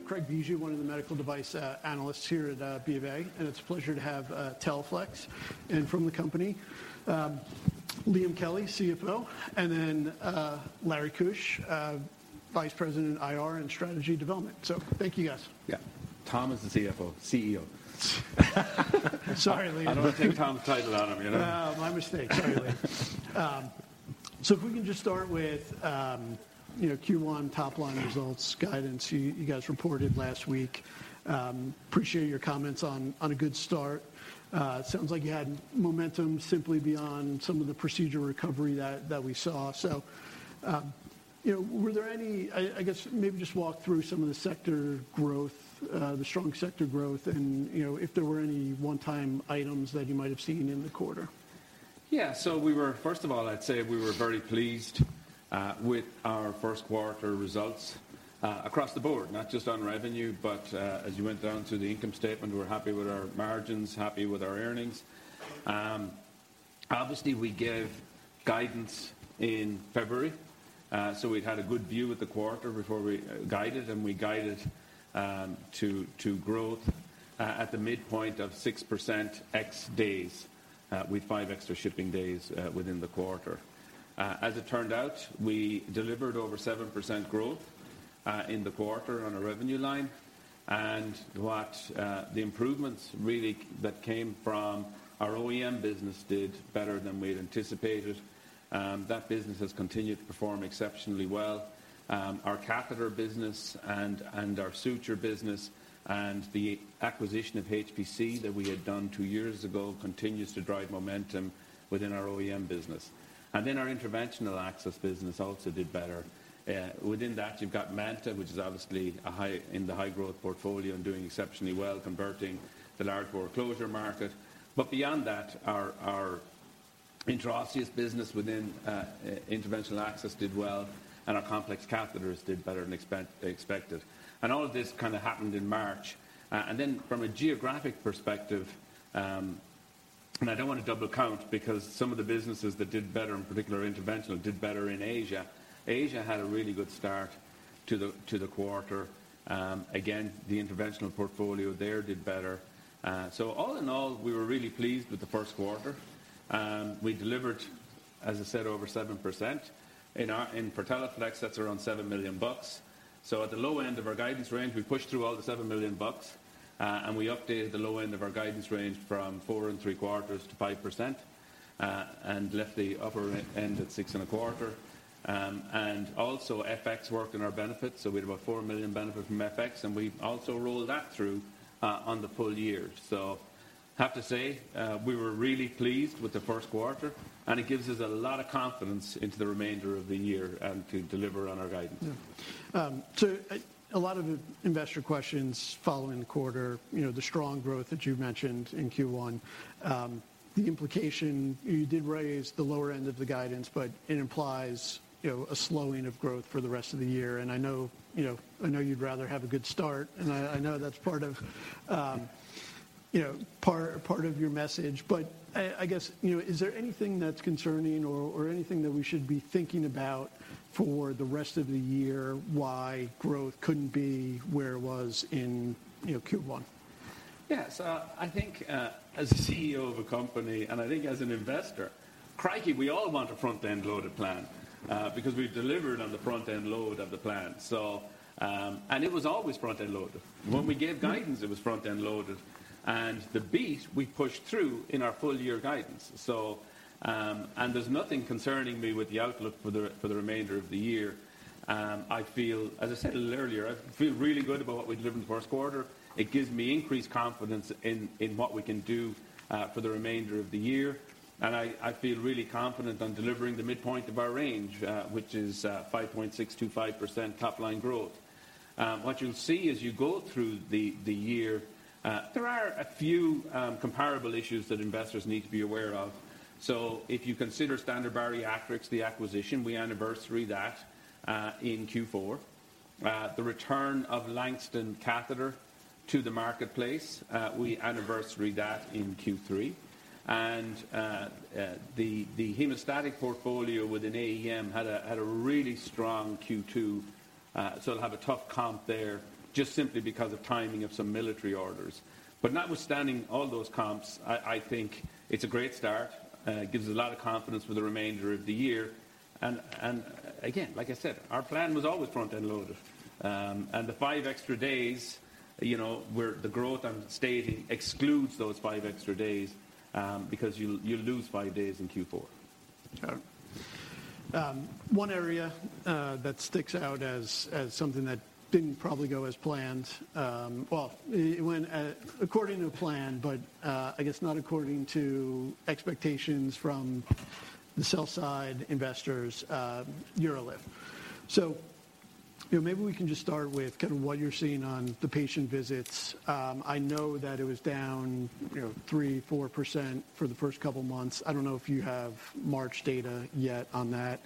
My name's Craig Bijou, one of the medical device analysts here at BofA, and it's a pleasure to have Teleflex in from the company. Liam Kelly, CFO, and then Lawrence Keusch, Vice President, IR and Strategy Development. Thank you guys. Yeah. Tom is the CFO. CEO. Sorry, Liam. I don't wanna take Tom's title on him, you know? No, my mistake. Sorry, Liam. If we can just start with, you know, Q1 top line results guidance. You guys reported last week. Appreciate your comments on a good start. Sounds like you had momentum simply beyond some of the procedure recovery that we saw. You know, I guess maybe just walk through some of the sector growth, the strong sector growth and, you know, if there were any one-time items that you might have seen in the quarter. First of all, I'd say we were very pleased with our first quarter results across the board, not just on revenue, but as you went down through the income statement, we're happy with our margins, happy with our earnings. Obviously, we gave guidance in February, so we'd had a good view of the quarter before we guided, and we guided to growth at the midpoint of 6% ex days with five extra shipping days within the quarter. As it turned out, we delivered over 7% growth in the quarter on a revenue line, and what the improvements really that came from our OEM business did better than we'd anticipated. That business has continued to perform exceptionally well. Our Catheter Business and our Suture Business and the acquisition of HPC that we had done two years ago continues to drive momentum within our OEM business. Our interventional access business also did better. Within that, you've got MANTA, which is obviously a high growth portfolio and doing exceptionally well converting the large bore closure market. Beyond that, our intraosseous business within interventional access did well, and our complex catheters did better than expected. All of this kinda happened in March. From a geographic perspective, and I don't wanna double count because some of the businesses that did better, in particular interventional, did better in Asia. Asia had a really good start to the quarter. Again, the interventional portfolio there did better. All in all, we were really pleased with the first quarter. We delivered, as I said, over 7%. In for Teleflex, that's around $7 million. At the low end of our guidance range, we pushed through all the $7 million, and we updated the low end of our guidance range from 4.75%-5%, and left the upper end at 6.25%. Also FX worked in our benefit, we had about $4 million benefit from FX, and we also rolled that through on the full year. Have to say, we were really pleased with the first quarter, and it gives us a lot of confidence into the remainder of the year to deliver on our guidance. Yeah. A lot of the investor questions following the quarter, you know, the strong growth that you mentioned in Q1, the implication, you did raise the lower end of the guidance, but it implies, you know, a slowing of growth for the rest of the year. I know, you know, I know you'd rather have a good start, and I know that's part of, you know, part of your message. I guess, you know, is there anything that's concerning or anything that we should be thinking about for the rest of the year why growth couldn't be where it was in, you know, Q1? Yeah. I think, as CEO of a company and I think as an investor, crikey, we all want a front-end loaded plan, because we've delivered on the front-end load of the plan. It was always front-end loaded. Mm-hmm. When we gave guidance, it was front-end loaded. The beat we pushed through in our full year guidance. There's nothing concerning me with the outlook for the remainder of the year. I feel, as I said a little earlier, I feel really good about what we delivered in the first quarter. It gives me increased confidence in what we can do for the remainder of the year. I feel really confident on delivering the midpoint of our range, which is 5.625% top line growth. What you'll see as you go through the year, there are a few comparable issues that investors need to be aware of. If you consider Standard Bariatrics, the acquisition, we anniversary that in Q4. The return of Langston Catheter to the marketplace, we anniversary that in Q3. The hemostatic portfolio within AEM had a really strong Q2. It'll have a tough comp there just simply because of timing of some military orders. Notwithstanding all those comps, I think it's a great start. It gives us a lot of confidence for the remainder of the year. Again, like I said, our plan was always front-end loaded. And the five extra days, you know, where the growth I'm stating excludes those five extra days, because you'll lose five days in Q4. Got it. One area that sticks out as something that didn't probably go as planned, well, it went according to plan, but I guess not according to expectations from the sell side investors, UroLift. You know, maybe we can just start with kind of what you're seeing on the patient visits. I know that it was down, you know, 3%, 4% for the first couple months. I don't know if you have March data yet on that.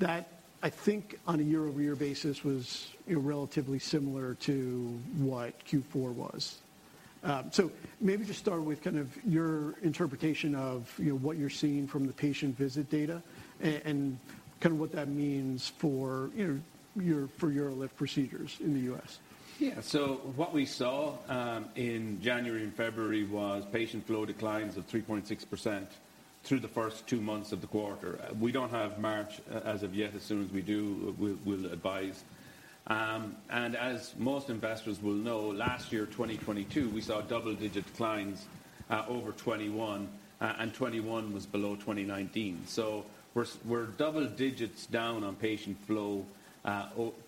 That I think on a year-over-year basis was, you know, relatively similar to what Q4 was. You know, maybe just start with kind of your interpretation of, you know, what you're seeing from the patient visit data and kinda what that means for, you know, for UroLift procedures in the U.S. What we saw in January and February was patient flow declines of 3.6% through the first two months of the quarter. We don't have March as of yet. As soon as we do, we'll advise. As most investors will know, last year, 2022, we saw double-digit declines over 21, and 21 was below 2019. We're double digits down on patient flow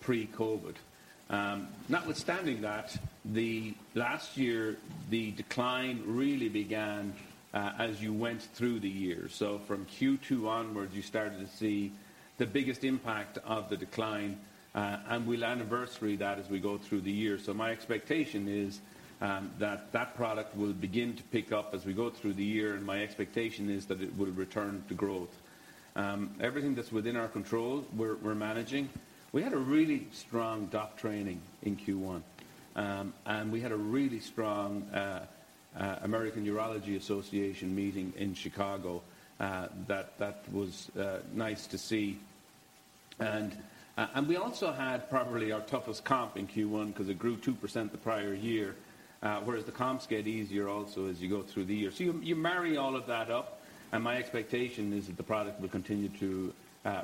pre-COVID. Notwithstanding that, the last year, the decline really began as you went through the year. From Q2 onwards, you started to see the biggest impact of the decline, and we'll anniversary that as we go through the year. My expectation is that that product will begin to pick up as we go through the year, and my expectation is that it will return to growth. Everything that's within our control, we're managing. We had a really strong doc training in Q1. We had a really strong American Urological Association Meeting in Chicago that was nice to see. We also had probably our toughest comp in Q1 because it grew 2% the prior year, whereas the comps get easier also as you go through the year. You marry all of that up, and my expectation is that the product will continue to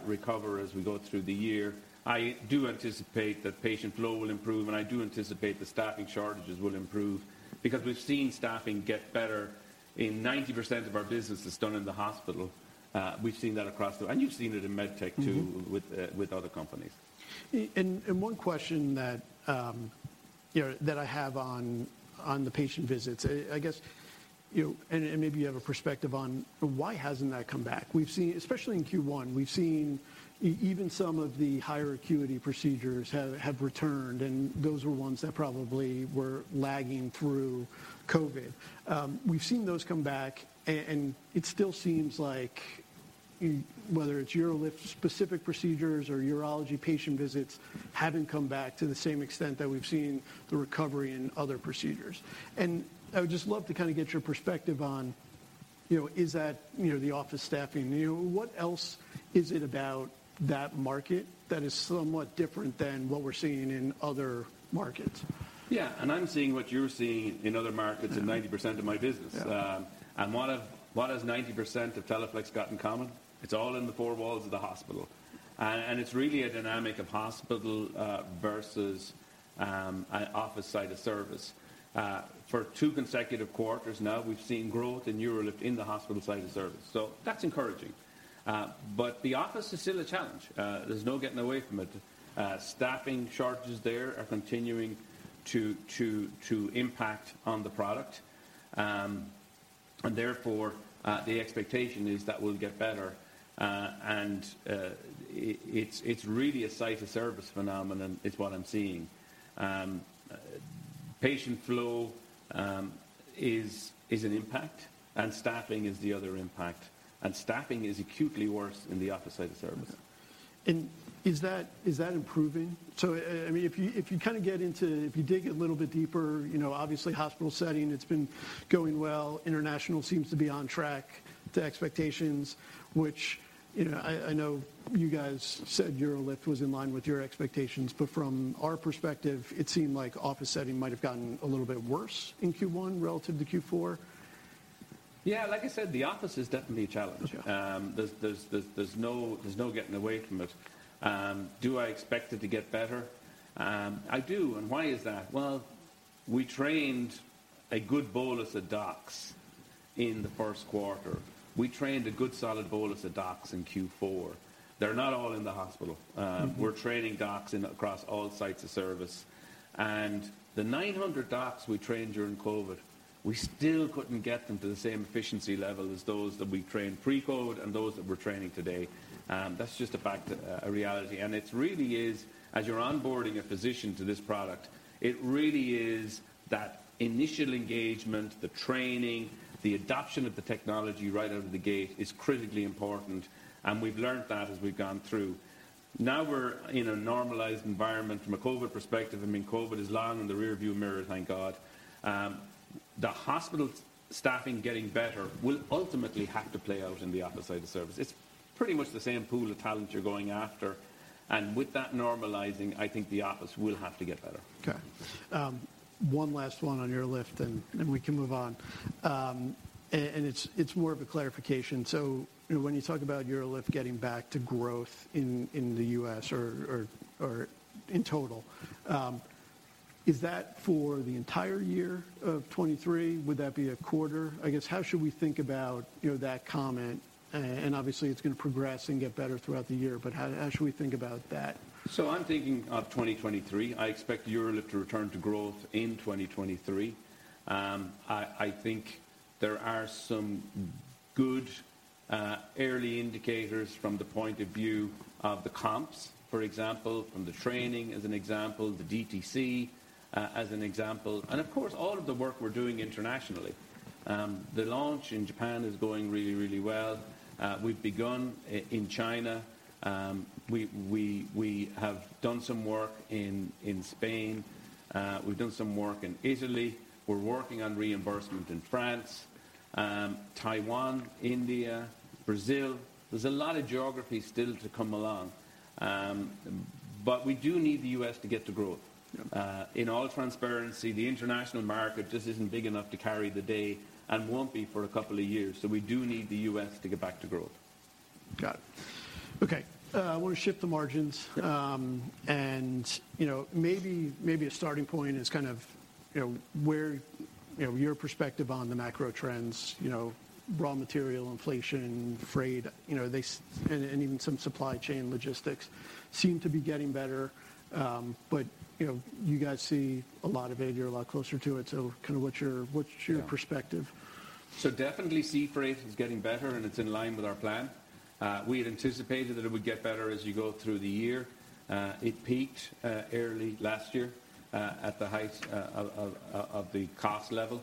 recover as we go through the year. I do anticipate that patient flow will improve, I do anticipate the staffing shortages will improve because we've seen staffing get better and 90% of our business is done in the hospital. You've seen it in MedTech too. Mm-hmm. with other companies. One question that, you know, that I have on the patient visits, I guess, you know, and maybe you have a perspective on why hasn't that come back? We've seen especially in Q1, we've seen even some of the higher acuity procedures have returned, and those were ones that probably were lagging through COVID. We've seen those come back and it still seems like whether it's UroLift-specific procedures or urology patient visits haven't come back to the same extent that we've seen the recovery in other procedures. I would just love to kinda get your perspective on, you know, is that, you know, the office staffing new? What else is it about that market that is somewhat different than what we're seeing in other markets? Yeah. I'm seeing what you're seeing in other markets- Mm-hmm. in 90% of my business. Yeah. What have, what has 90% of Teleflex got in common? It's all in the four walls of the hospital. It's really a dynamic of hospital versus a office site of service. For two consecutive quarters now, we've seen growth in UroLift in the hospital site of service. That's encouraging. The office is still a challenge. There's no getting away from it. Staffing shortages there are continuing to impact on the product. Therefore, the expectation is that we'll get better. It's really a site of service phenomenon is what I'm seeing. Patient flow is an impact, and staffing is the other impact. Staffing is acutely worse in the office site of service. Yeah. Is that improving? I mean, if you, if you dig a little bit deeper, you know, obviously hospital setting, it's been going well. International seems to be on track to expectations, which, you know, I know you guys said UroLift was in line with your expectations, but from our perspective, it seemed like office setting might have gotten a little bit worse in Q1 relative to Q4. Yeah. Like I said, the office is definitely a challenge. Sure. There's no getting away from it. Do I expect it to get better? I do. Why is that? Well, we trained a good bolus of docs in the first quarter. We trained a good solid bolus of docs in Q4. They're not all in the hospital. Mm-hmm. We're training docs in across all sites of service. The 900 docs we trained during COVID, we still couldn't get them to the same efficiency level as those that we trained pre-COVID and those that we're training today. That's just a fact, a reality. It really is, as you're onboarding a physician to this product, it really is that initial engagement, the training, the adoption of the technology right out of the gate is critically important, and we've learned that as we've gone through. Now we're in a normalized environment from a COVID perspective, I mean, COVID is long in the rear view mirror, thank God. The hospital staffing getting better will ultimately have to play out in the office site of service. It's pretty much the same pool of talent you're going after. With that normalizing, I think the office will have to get better. Okay, one last one on UroLift, and then we can move on. It's more of a clarification. You know, when you talk about UroLift getting back to growth in the U.S. or, or in total, is that for the entire year of 2023? Would that be a quarter? I guess, how should we think about, you know, that comment? Obviously, it's gonna progress and get better throughout the year, but how should we think about that? I'm thinking of 2023. I expect UroLift to return to growth in 2023. I think there are some good early indicators from the point of view of the comps, for example, from the training as an example, the DTC as an example, and of course, all of the work we're doing internationally. The launch in Japan is going really, really well. We've begun in China. We have done some work in Spain. We've done some work in Italy. We're working on reimbursement in France, Taiwan, India, Brazil. There's a lot of geography still to come along, but we do need the U.S. to get to growth. Yep. In all transparency, the international market just isn't big enough to carry the day and won't be for a couple of years. We do need the U.S. to get back to growth. Got it. Okay. I wanna shift to margins. Sure. You know, maybe a starting point is kind of, you know, where, you know, your perspective on the macro trends, you know, raw material inflation, freight, you know, and even some supply chain logistics seem to be getting better. You know, you guys see a lot of it. You're a lot closer to it, so kind of. Yeah. -perspective? Definitely sea freight is getting better, and it's in line with our plan. We had anticipated that it would get better as you go through the year. It peaked early last year at the height of the cost level.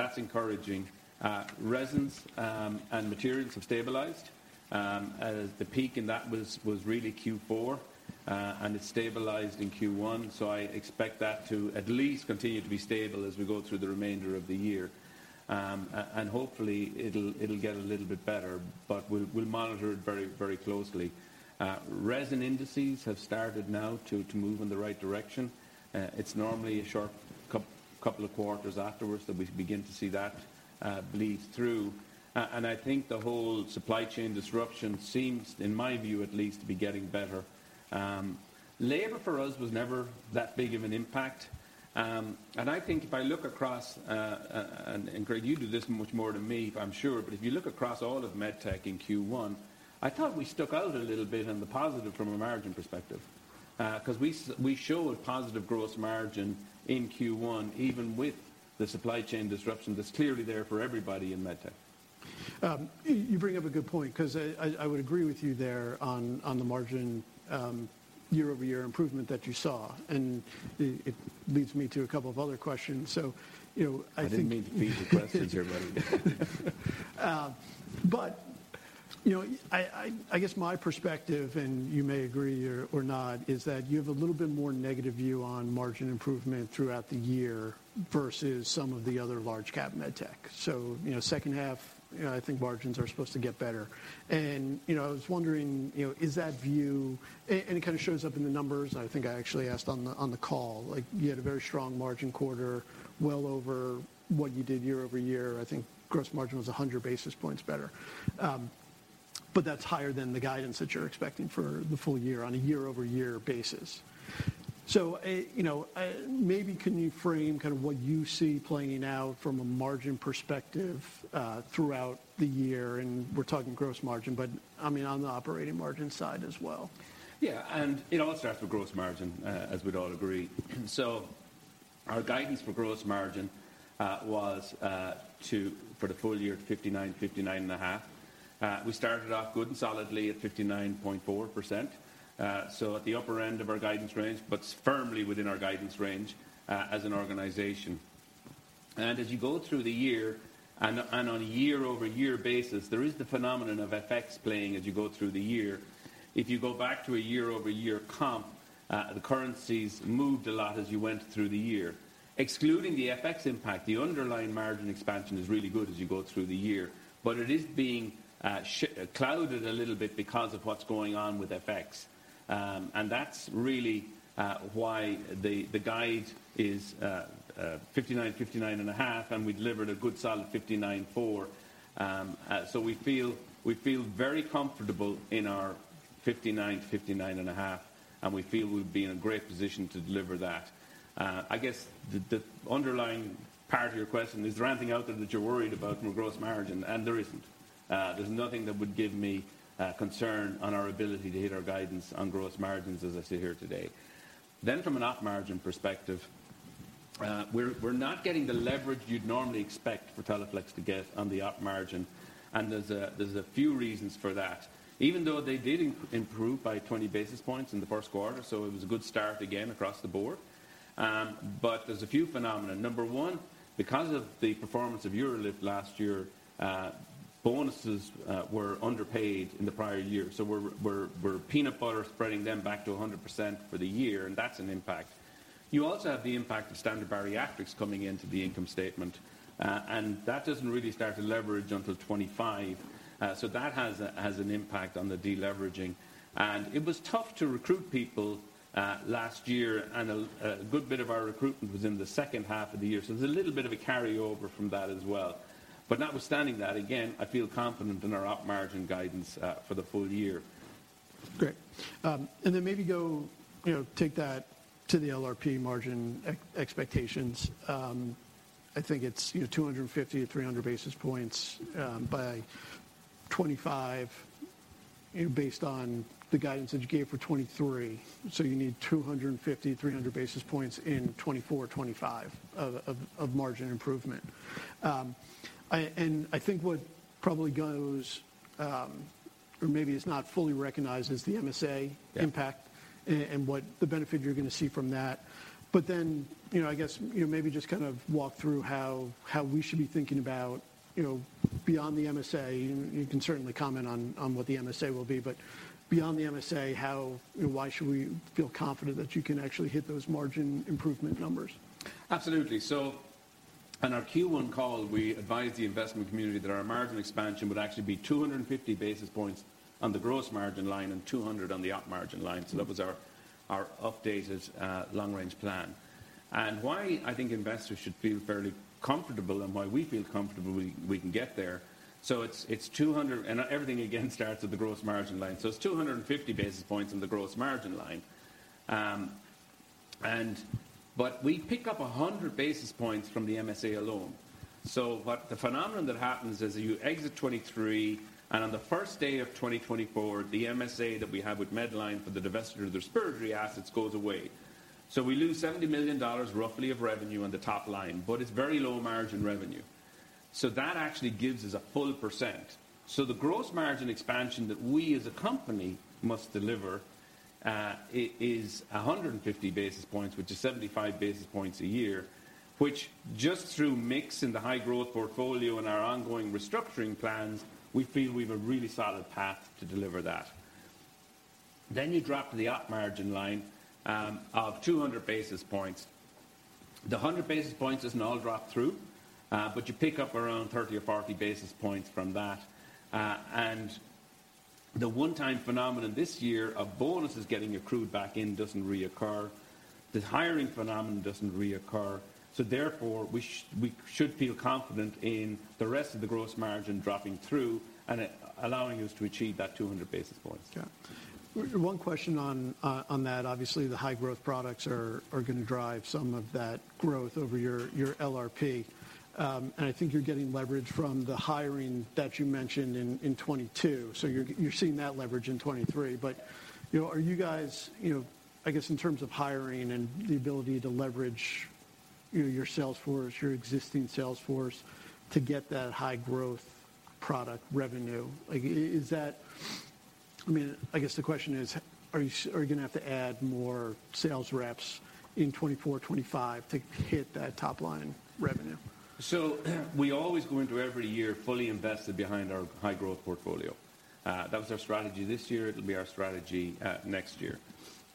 That's encouraging. Resins, and materials have stabilized. The peak in that was really Q4, and it stabilized in Q1, so I expect that to at least continue to be stable as we go through the remainder of the year. And hopefully it'll get a little bit better, but we'll monitor it very, very closely. Resin indices have started now to move in the right direction. It's normally a short couple of quarters afterwards that we begin to see that bleed through. I think the whole supply chain disruption seems, in my view at least, to be getting better. Labor for us was never that big of an impact. I think if I look across, and Craig Bijou, you do this much more than me, I'm sure, but if you look across all of MedTech in Q1, I thought we stuck out a little bit in the positive from a margin perspective, 'cause we show a positive gross margin in Q1, even with the supply chain disruption that's clearly there for everybody in MedTech. You bring up a good point because I would agree with you there on the margin, year-over-year improvement that you saw, and it leads me to a couple of other questions. You know, I didn't mean to feed you questions here, buddy. You know, I guess my perspective, and you may agree or not, is that you have a little bit more negative view on margin improvement throughout the year versus some of the other large cap MedTech. You know, second half, you know, I think margins are supposed to get better. You know, I was wondering, you know, is that view? And it kind of shows up in the numbers. I think I actually asked on the, on the call. Like, you had a very strong margin quarter, well over what you did year-over-year. I think gross margin was 100 basis points better. That's higher than the guidance that you're expecting for the full year on a year-over-year basis. You know, maybe can you frame kind of what you see playing out from a margin perspective, throughout the year? We're talking gross margin, but I mean, on the operating margin side as well. Yeah. It all starts with gross margin, as we'd all agree. Our guidance for gross margin was for the full year, to 59%-59.5%. We started off good and solidly at 59.4%. At the upper end of our guidance range, but firmly within our guidance range, as an organization. As you go through the year and on a year-over-year basis, there is the phenomenon of FX playing as you go through the year. If you go back to a year-over-year comp, the currencies moved a lot as you went through the year. Excluding the FX impact, the underlying margin expansion is really good as you go through the year. It is being clouded a little bit because of what's going on with FX. That's really why the guide is 59%-59.5%, and we delivered a good solid 59.4%. We feel very comfortable in our 59%-59.5%, and we feel we'd be in a great position to deliver that. I guess the underlying part of your question, is there anything out there that you're worried about from a gross margin? There isn't. There's nothing that would give me concern on our ability to hit our guidance on gross margins as I sit here today. From an Op margin perspective, we're not getting the leverage you'd normally expect for Teleflex to get on the Op margin, and there's a few reasons for that. Even though they did improve by 20 basis points in the first quarter, it was a good start again across the board. There's a few phenomena. Number one, because of the performance of UroLift last year, bonuses were underpaid in the prior year. We're peanut butter spreading them back to 100% for the year, and that's an impact. You also have the impact of Standard Bariatrics coming into the income statement, and that doesn't really start to leverage until 2025. That has an impact on the deleveraging. It was tough to recruit people last year, and a good bit of our recruitment was in the second half of the year. There's a little bit of a carryover from that as well. Notwithstanding that, again, I feel confident in our op margin guidance for the full year. Great. Then maybe go, you know, take that to the LRP margin expectations. I think it's, you know, 250 to 300 basis points by 2025 based on the guidance that you gave for 2023. You need 250 to 300 basis points in 2024, 2025 of margin improvement. I think what probably goes not fully recognized as the MSA. Yeah Impact and what the benefit you're gonna see from that. You know, I guess, you know, maybe just kind of walk through how we should be thinking about, you know, beyond the MSA, and you can certainly comment on what the MSA will be. Beyond the MSA, how, you know, why should we feel confident that you can actually hit those margin improvement numbers? Absolutely. On our Q1 call, we advised the investment community that our margin expansion would actually be 250 basis points on the gross margin line and 200 on the op margin line. That was our updated long-range plan. Why I think investors should feel fairly comfortable and why we feel comfortable we can get there, it's 200. Everything again starts at the gross margin line, it's 250 basis points on the gross margin line. We pick up 100 basis points from the MSA alone. What the phenomenon that happens is you exit 2023, and on the first day of 2024, the MSA that we have with Medline for the divestiture of their surgery assets goes away. We lose $70 million roughly of revenue on the top line, but it's very low margin revenue. That actually gives us a full %. The gross margin expansion that we as a company must deliver is 150 basis points, which is 75 basis points a year, which just through mix in the high growth portfolio and our ongoing restructuring plans, we feel we've a really solid path to deliver that. You drop the op margin line of 200 basis points. The 100 basis points doesn't all drop through, but you pick up around 30 or 40 basis points from that. The one-time phenomenon this year of bonuses getting accrued back in doesn't reoccur. The hiring phenomenon doesn't reoccur. Therefore, we should feel confident in the rest of the gross margin dropping through and allowing us to achieve that 200 basis points. Yeah. One question on that. Obviously, the high growth products are gonna drive some of that growth over your LRP. I think you're getting leverage from the hiring that you mentioned in 2022. You're seeing that leverage in 2023. You know, are you guys, you know, I guess in terms of hiring and the ability to leverage, you know, your sales force, existing sales force to get that high growth product revenue, like I mean, I guess the question is, are you gonna have to add more sales reps in 2024, 2025 to hit that top line revenue? We always go into every year fully invested behind our high growth portfolio. That was our strategy this year. It'll be our strategy next year.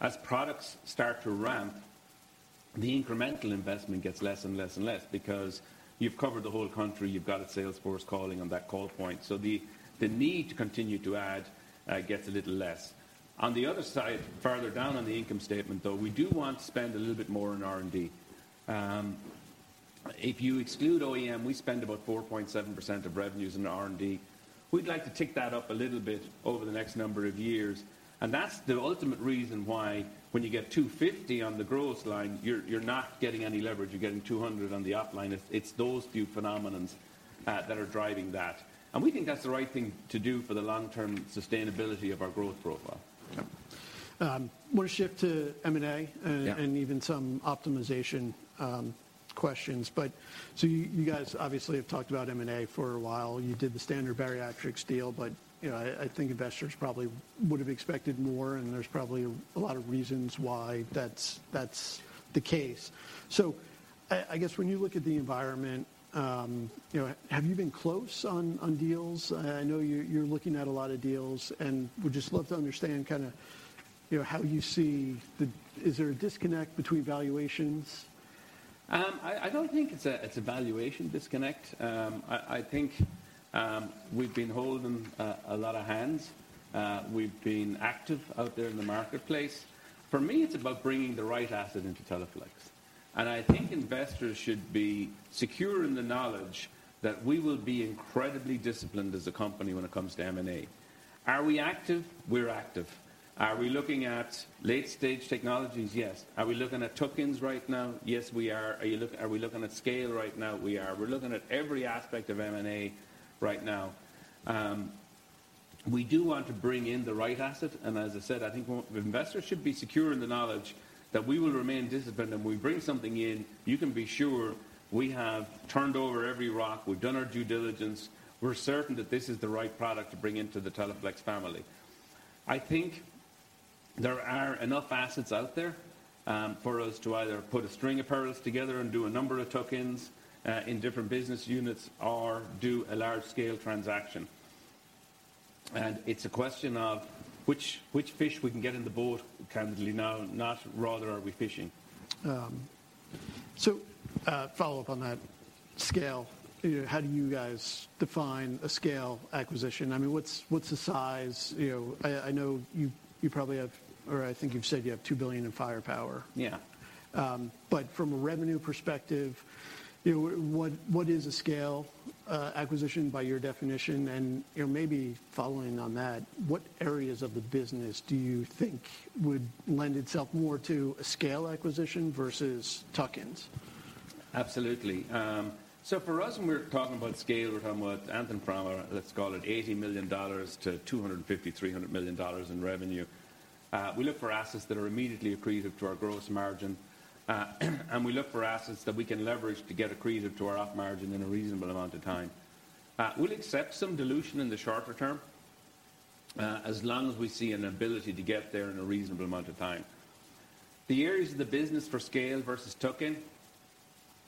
As products start to ramp, the incremental investment gets less and less and less because you've covered the whole country. You've got a sales force calling on that call point. The need to continue to add gets a little less. On the other side, farther down on the income statement, though, we do want to spend a little bit more on R&D. If you exclude OEM, we spend about 4.7% of revenues in R&D. We'd like to tick that up a little bit over the next number of years, that's the ultimate reason why when you get $250 on the gross line, you're not getting any leverage, you're getting $200 on the op line. It's those few phenomenons that are driving that. We think that's the right thing to do for the long-term sustainability of our growth profile. Yeah. wanna shift to M&A- Yeah And even some optimization, questions. You guys obviously have talked about M&A for a while. You did the Standard Bariatrics deal, you know, I think investors probably would have expected more, and there's probably a lot of reasons why that's the case. I guess when you look at the environment, you know, have you been close on deals? I know you're looking at a lot of deals, and would just love to understand kinda, you know, how you see the. Is there a disconnect between valuations? I don't think it's a valuation disconnect. I think we've been holding a lot of hands. We've been active out there in the marketplace. For me, it's about bringing the right asset into Teleflex, and I think investors should be secure in the knowledge that we will be incredibly disciplined as a company when it comes to M&A. Are we active? We're active. Are we looking at late-stage technologies? Yes. Are we looking at tuck-ins right now? Yes, we are. Are we looking at scale right now? We are. We're looking at every aspect of M&A right now. We do want to bring in the right asset, and as I said, I think investors should be secure in the knowledge that we will remain disciplined. When we bring something in, you can be sure we have turned over every rock. We've done our due diligence. We're certain that this is the right product to bring into the Teleflex family. I think there are enough assets out there, for us to either put a string of pearls together and do a number of tuck-ins, in different business units or do a large-scale transaction. It's a question of which fish we can get in the boat, candidly now, not rather are we fishing. Follow-up on that scale. You know, how do you guys define a scale acquisition? I mean, what's the size? You know, I know you probably have, or I think you've said you have $2 billion in firepower. Yeah. From a revenue perspective, you know, what is a scale acquisition by your definition? You know, maybe following on that, what areas of the business do you think would lend itself more to a scale acquisition versus tuck-ins? Absolutely. For us, when we're talking about scale, we're talking about TAM parameter, let's call it $80 million to $250 million-$300 million in revenue. We look for assets that are immediately accretive to our gross margin. We look for assets that we can leverage to get accretive to our op margin in a reasonable amount of time. We'll accept some dilution in the shorter term, as long as we see an ability to get there in a reasonable amount of time. The areas of the business for scale versus tuck-in,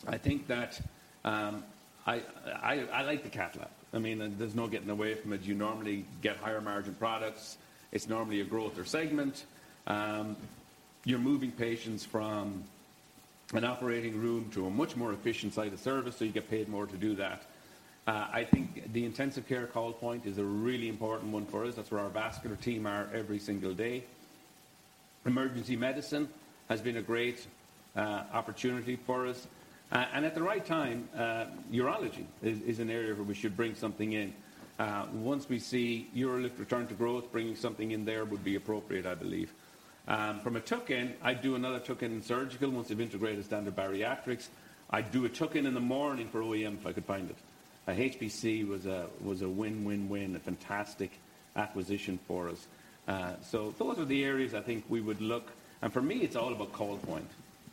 I think that, I like the cath lab. I mean, there's no getting away from it. You normally get higher margin products. It's normally a growth or segment. You're moving patients from an operating room to a much more efficient site of service. You get paid more to do that. I think the intensive care call point is a really important one for us. That's where our vascular team are every single day. Emergency medicine has been a great opportunity for us. At the right time, urology is an area where we should bring something in. Once we see UroLift return to growth, bringing something in there would be appropriate, I believe. From a tuck-in, I'd do another tuck-in in surgical once they've integrated us down to bariatrics. I'd do a tuck-in in the morning for OEM, if I could find it. HPC was a win-win-win, a fantastic acquisition for us. Those are the areas I think we would look. For me, it's all about call point.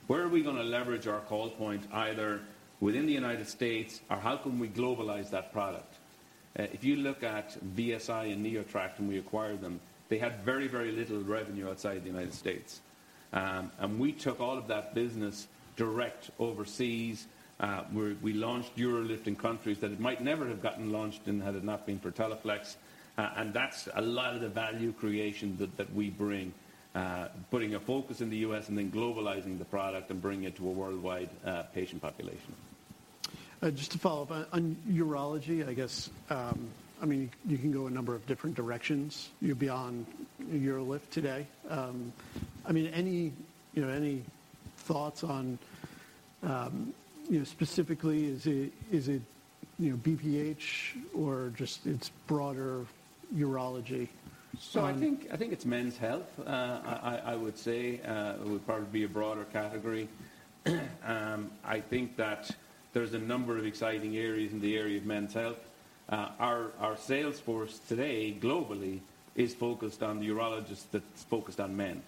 Where are we gonna leverage our call point, either within the United States or how can we globalize that product? If you look at VSI and NeoTract when we acquired them, they had very, very little revenue outside the United States. We took all of that business direct overseas. We launched UroLift in countries that it might never have gotten launched in had it not been for Teleflex. That's a lot of the value creation that we bring, putting a focus in the U.S. and then globalizing the product and bringing it to a worldwide patient population. Just to follow up. On urology, I guess, I mean, you can go a number of different directions. You're beyond UroLift today. I mean, any, you know, any thoughts on, you know, specifically, is it, you know, BPH or just it's broader urology? I think it's men's health, I would say. It would probably be a broader category. I think that there's a number of exciting areas in the area of men's health. Our sales force today globally is focused on the urologists that's focused on men.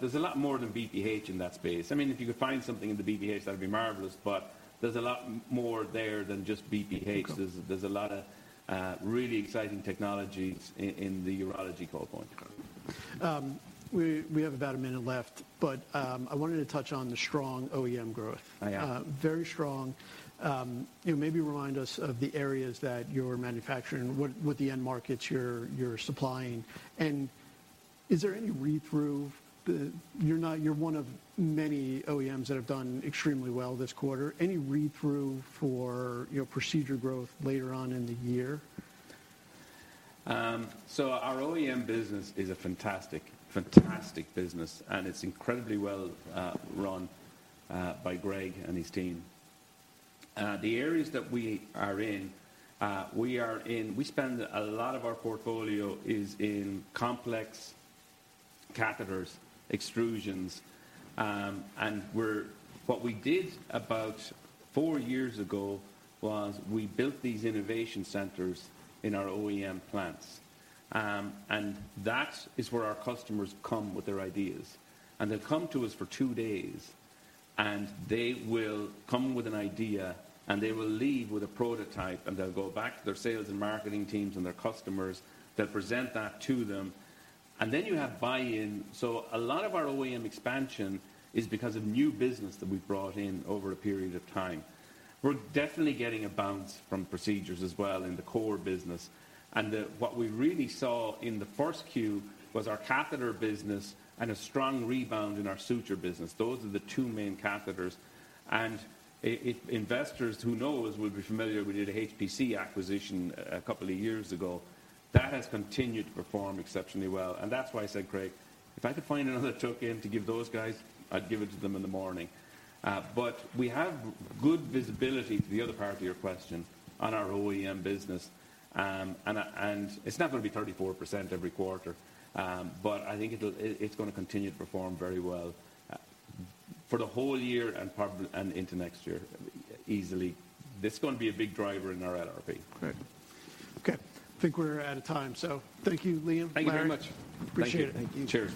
There's a lot more than BPH in that space. I mean, if you could find something in the BPH, that'd be marvelous, but there's a lot more there than just BPH. Okay. There's a lot of really exciting technologies in the urology call point. We have about a minute left, but I wanted to touch on the strong OEM growth. Oh, yeah. Very strong. You know, maybe remind us of the areas that you're manufacturing, what the end markets you're supplying. Is there any read-through the... You're one of many OEMs that have done extremely well this quarter. Any read-through for, you know, procedure growth later on in the year? Our OEM business is a fantastic business, and it's incredibly well run by Greg and his team. The areas that we are in We spend a lot of our portfolio is in complex catheters, extrusions. What we did about four years ago was we built these innovation centers in our OEM plants. That is where our customers come with their ideas. They'll come to us for two days, they will come with an idea, they will leave with a prototype, they'll go back to their sales and marketing teams and their customers. They'll present that to them. You have buy-in. A lot of our OEM expansion is because of new business that we've brought in over a period of time. We're definitely getting a bounce from procedures as well in the core business. What we really saw in the first Q was our Catheter Business and a strong rebound in our Suture Business. those are the two main catheters. Investors who know us will be familiar, we did a HPC acquisition a couple of years ago. That has continued to perform exceptionally well, and that's why I said, Craig, if I could find another tuck-in to give those guys, I'd give it to them in the morning. We have good visibility, to the other part of your question, on our OEM business. It's not gonna be 34% every quarter. I think it's gonna continue to perform very well for the whole year and probably, and into next year easily. It's gonna be a big driver in our LRP. Great. Okay, I think we're out of time. Thank you, Liam, Larry. Thank you very much. Appreciate it. Thank you. Thank you. Cheers.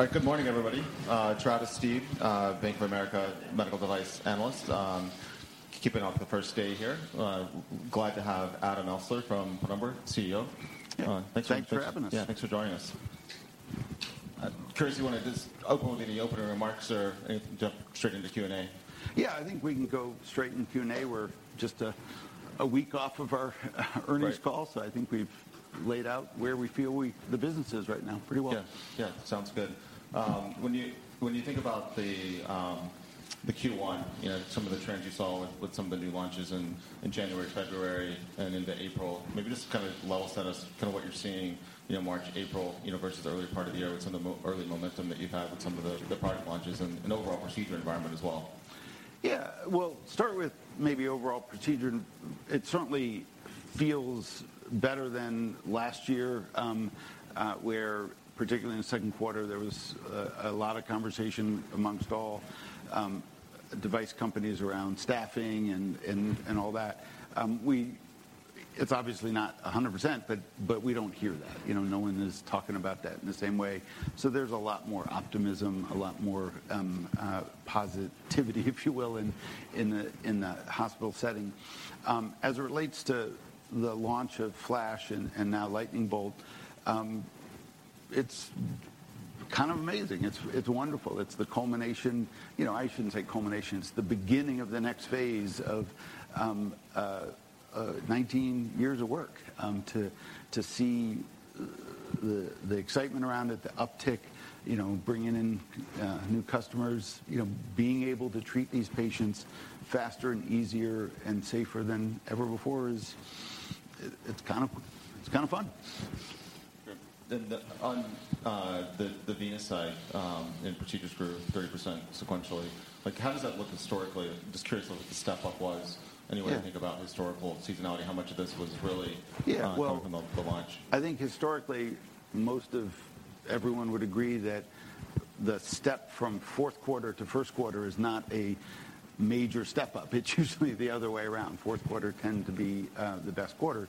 Okay. Test. All right, good morning, everybody. Travis Steed, Bank of America medical device analyst. Kicking off the first day here. Glad to have Adam Elsesser from Penumbra, CEO. Thanks. Thanks for having us. Yeah. Thanks for joining us. Curious if you wanna just open with any opening remarks or anything, jump straight into Q&A? Yeah, I think we can go straight into Q&A. We're just a week off of our earnings call. Right. I think we've laid out where we feel the business is right now pretty well. Yeah. Yeah. Sounds good. When you think about the Q1, you know, some of the trends you saw with some of the new launches in January, February and into April, maybe just to kind of level set us kinda what you're seeing, you know, March, April, you know, versus the earlier part of the year with some of the early momentum that you've had with some of the product launches and overall procedure environment as well? Well, start with maybe overall procedure. It certainly feels better than last year, where particularly in the second quarter there was a lot of conversation amongst all device companies around staffing and, and all that. It's obviously not a hundred percent, but we don't hear that. You know, no one is talking about that in the same way. There's a lot more optimism, a lot more positivity, if you will, in the hospital setting. As it relates to the launch of Flash and now Lightning Bolt, it's kind of amazing. It's wonderful. It's the culmination... You know, I shouldn't say culmination. It's the beginning of the next phase of 19 years of work to see the excitement around it, the uptick, you know, bringing in new customers. You know, being able to treat these patients faster and easier and safer than ever before is, it's kind of fun. Sure. On the venous side, and procedures grew 30% sequentially. Like, how does that look historically? I'm just curious what the step-up was. Yeah. Any way to think about historical seasonality, how much of this was really- Yeah. Coming from the launch. I think historically most of everyone would agree that the step from fourth quarter to first quarter is not a major step up. It's usually the other way around. Fourth quarter tends to be the best quarter.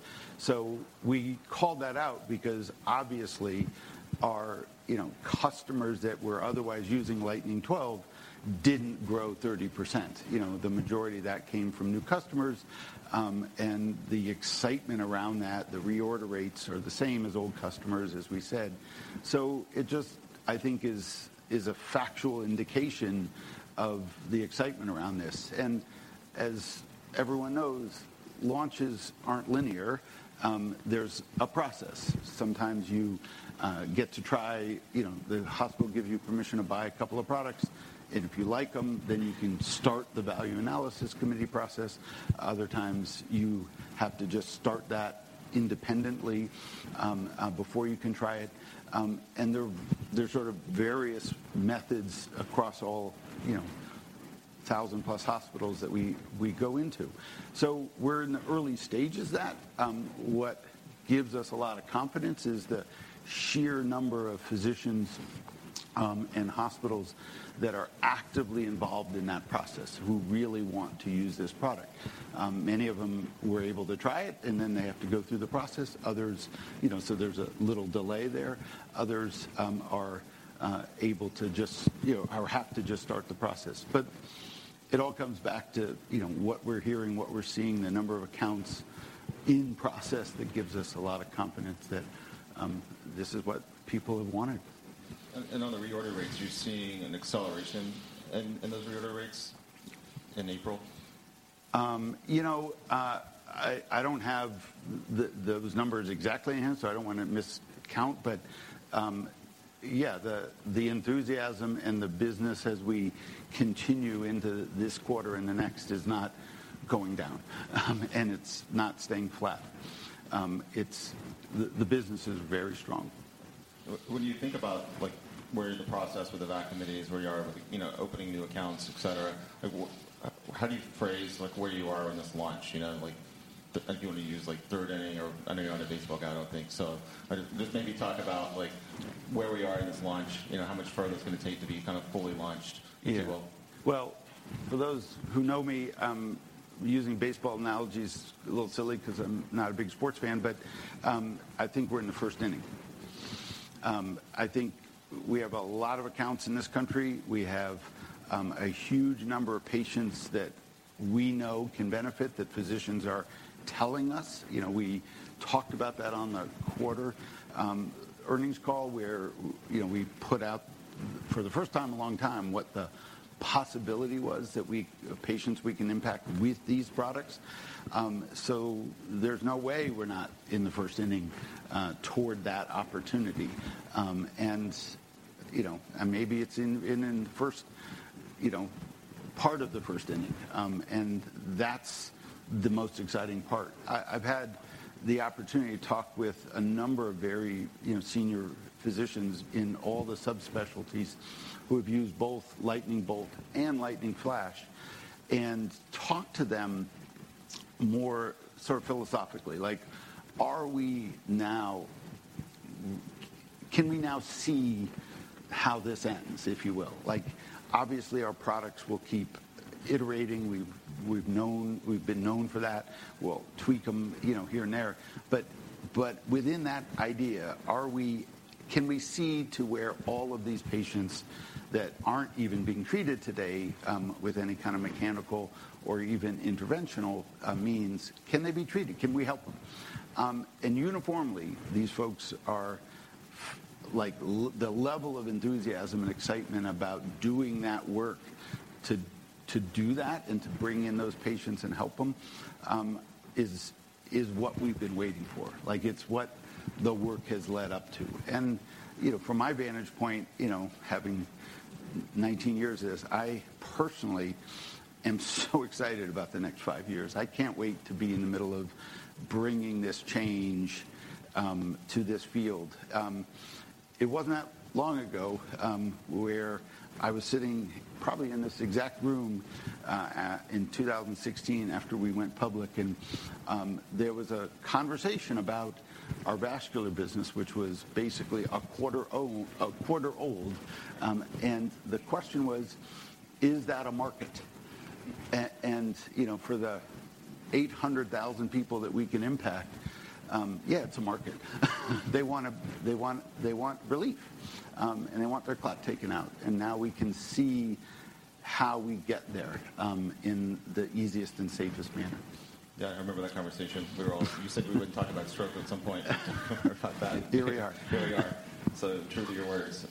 We called that out because obviously our, you know, customers that were otherwise using Lightning 12 didn't grow 30%. You know, the majority of that came from new customers. The excitement around that, the reorder rates are the same as old customers, as we said. It just, I think is a factual indication of the excitement around this. As everyone knows, launches aren't linear. There's a process. Sometimes you get to try, you know, the hospital gives you permission to buy a couple of products, and if you like them, then you can start the value analysis committee process. Other times you have to just start that independently before you can try it. There are sort of various methods across all, you know, 1,000+ hospitals that we go into. We're in the early stages of that. What gives us a lot of confidence is the sheer number of physicians and hospitals that are actively involved in that process, who really want to use this product. Many of them were able to try it, and then they have to go through the process. Others, you know, there's a little delay there. Others are able to just, you know, or have to just start the process. It all comes back to, you know, what we're hearing, what we're seeing, the number of accounts in process that gives us a lot of confidence that this is what people have wanted. On the reorder rates, you're seeing an acceleration in those reorder rates in April? You know, I don't have those numbers exactly enhanced, so I don't wanna miscount. Yeah, the enthusiasm and the business as we continue into this quarter and the next is not going down. It's not staying flat. The business is very strong. When you think about, like, where in the process with the VAC committee is, where you are with, you know, opening new accounts, et cetera, how do you phrase, like, where you are in this launch? You know, like, do you wanna use, like, third inning or... I know you're not a baseball guy, I don't think. Just maybe talk about, like, where we are in this launch, you know, how much further it's gonna take to be kind of fully launched. Yeah If you will. Well, for those who know me, using baseball analogy is a little silly 'cause I'm not a big sports fan, but I think we're in the first inning. I think we have a lot of accounts in this country. We have a huge number of patients that we know can benefit, that physicians are telling us. You know, we talked about that on the quarter earnings call, where, you know, we put out for the first time in a long time what the possibility was that patients we can impact with these products. There's no way we're not in the first inning toward that opportunity. You know, and maybe it's in, in the first, you know, part of the first inning. That's the most exciting part. I've had the opportunity to talk with a number of very, you know, senior physicians in all the subspecialties who have used both Lightning Bolt and Lightning Flash, and talk to them more sort of philosophically. Like, are we now... Can we now see how this ends, if you will? Like, obviously, our products will keep iterating. We've been known for that. We'll tweak them, you know, here and there. But within that idea, can we see to where all of these patients that aren't even being treated today with any kind of mechanical or even interventional means, can they be treated? Can we help them? Uniformly, these folks are like, the level of enthusiasm and excitement about doing that work to do that and to bring in those patients and help them, is what we've been waiting for. Like, it's what the work has led up to. You know, from my vantage point, you know, having 19 years this, I personally am so excited about the next five years. I can't wait to be in the middle of bringing this change to this field. It wasn't that long ago, where I was sitting probably in this exact room in 2016 after we went public and there was a conversation about our vascular business, which was basically a quarter old. The question was, "Is that a market?" You know, for the 800,000 people that we can impact, yeah, it's a market. They want relief, and they want their clot taken out. Now we can see how we get there in the easiest and safest manner. Yeah, I remember that conversation. You said we would talk about stroke at some point. Here we are. Here we are. True to your words.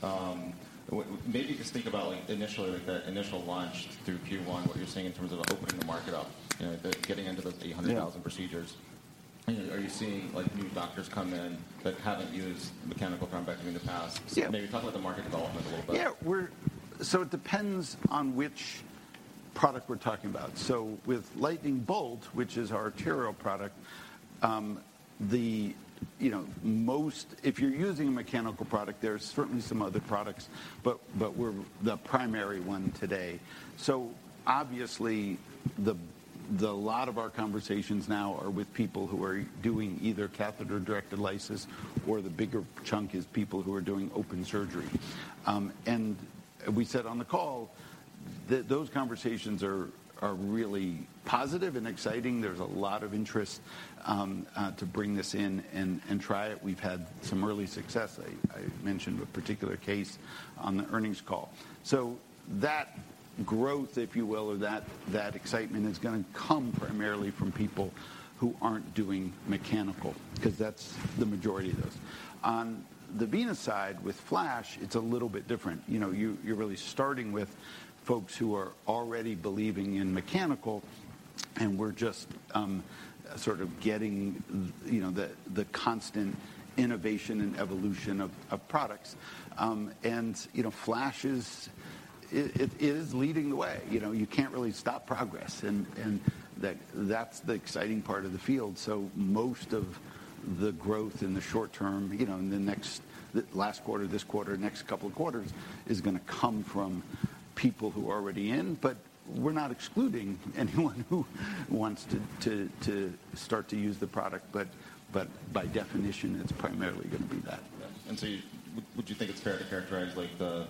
Maybe just think about like initially, like the initial launch through Q1, what you're seeing in terms of opening the market up, you know, the getting into those 800,000 procedures. You know, are you seeing like new doctors come in that haven't used mechanical thrombectomy in the past? Yeah. Maybe talk about the market development a little bit. It depends on which product we're talking about. With Lightning Bolt, which is our arterial product, you know, if you're using a mechanical product, there are certainly some other products, but we're the primary one today. Obviously, the lot of our conversations now are with people who are doing either catheter-directed lysis or the bigger chunk is people who are doing open surgery. We said on the call that those conversations are really positive and exciting. There's a lot of interest to bring this in and try it. We've had some early success. I mentioned a particular case on the earnings call. That growth, if you will, or that excitement is gonna come primarily from people who aren't doing mechanical 'cause that's the majority of those. On the venous side, with Flash, it's a little bit different. You know, you're really starting with folks who are already believing in mechanical. We're just sort of getting, you know, the constant innovation and evolution of products. You know, Flash is leading the way. You know, you can't really stop progress and that's the exciting part of the field. Most of the growth in the short term, you know, Last quarter, this quarter, next couple of quarters, is gonna come from people who are already in. We're not excluding anyone who wants to start to use the product. But by definition, it's primarily gonna be that. Would you think it's fair to characterize, like, the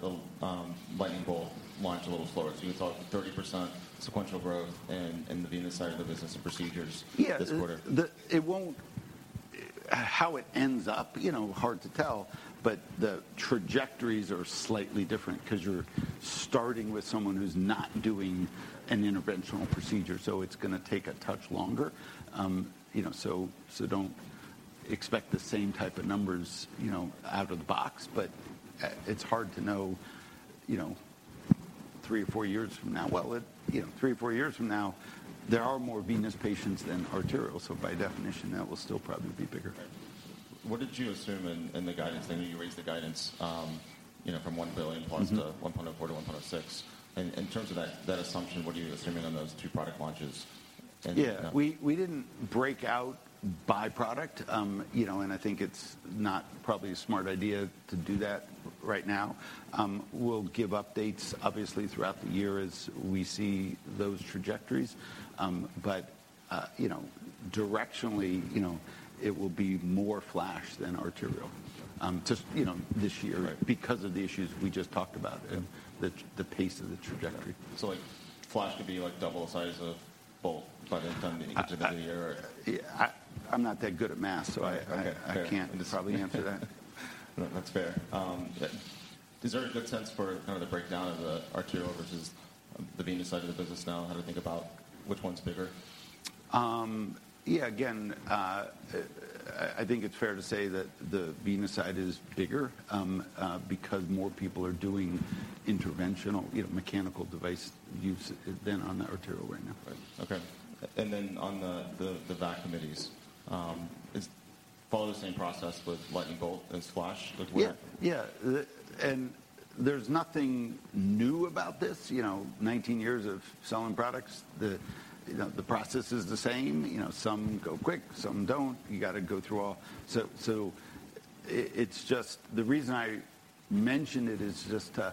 Lightning Bolt launch a little slower? We saw 30% sequential growth in the venous side of the business and procedures. Yeah. this quarter. How it ends up, you know, hard to tell, but the trajectories are slightly different because you're starting with someone who's not doing an interventional procedure, so it's gonna take a touch longer. You know, don't expect the same type of numbers, you know, out of the box. It's hard to know, you know, three or four years from now. You know, three or four years from now, there are more venous patients than arterial, so by definition, that will still probably be bigger. Right. What did you assume in the guidance? I know you raised the guidance, you know, from $1 billion. Mm-hmm. To 1.4-1.6. In terms of that assumption, what are you assuming on those two product launches and Yeah. We didn't break out by product, you know, I think it's not probably a smart idea to do that right now. We'll give updates obviously throughout the year as we see those trajectories. You know, directionally, you know, it will be more Flash than arterial. Okay. just, you know, this year- Right Of the issues we just talked about and the pace of the trajectory. Like, Flash could be like double the size of both by the time we get to the end of the year? yeah, I'm not that good at math, so I. Okay. Fair I can't probably answer that. No, that's fair. Is there a good sense for kind of the breakdown of the arterial versus the venous side of the business now and how to think about which one's bigger? Again, I think it's fair to say that the venous side is bigger, because more people are doing interventional, you know, mechanical device use than on the arterial right now. Right. Okay. Then on the VAC committees, follow the same process with Lightning Bolt as Flash with where. Yeah. Yeah. There's nothing new about this. You know, 19 years of selling products, the, you know, the process is the same. You know, some go quick, some don't. You gotta go through all... It's just the reason I mention it is just to,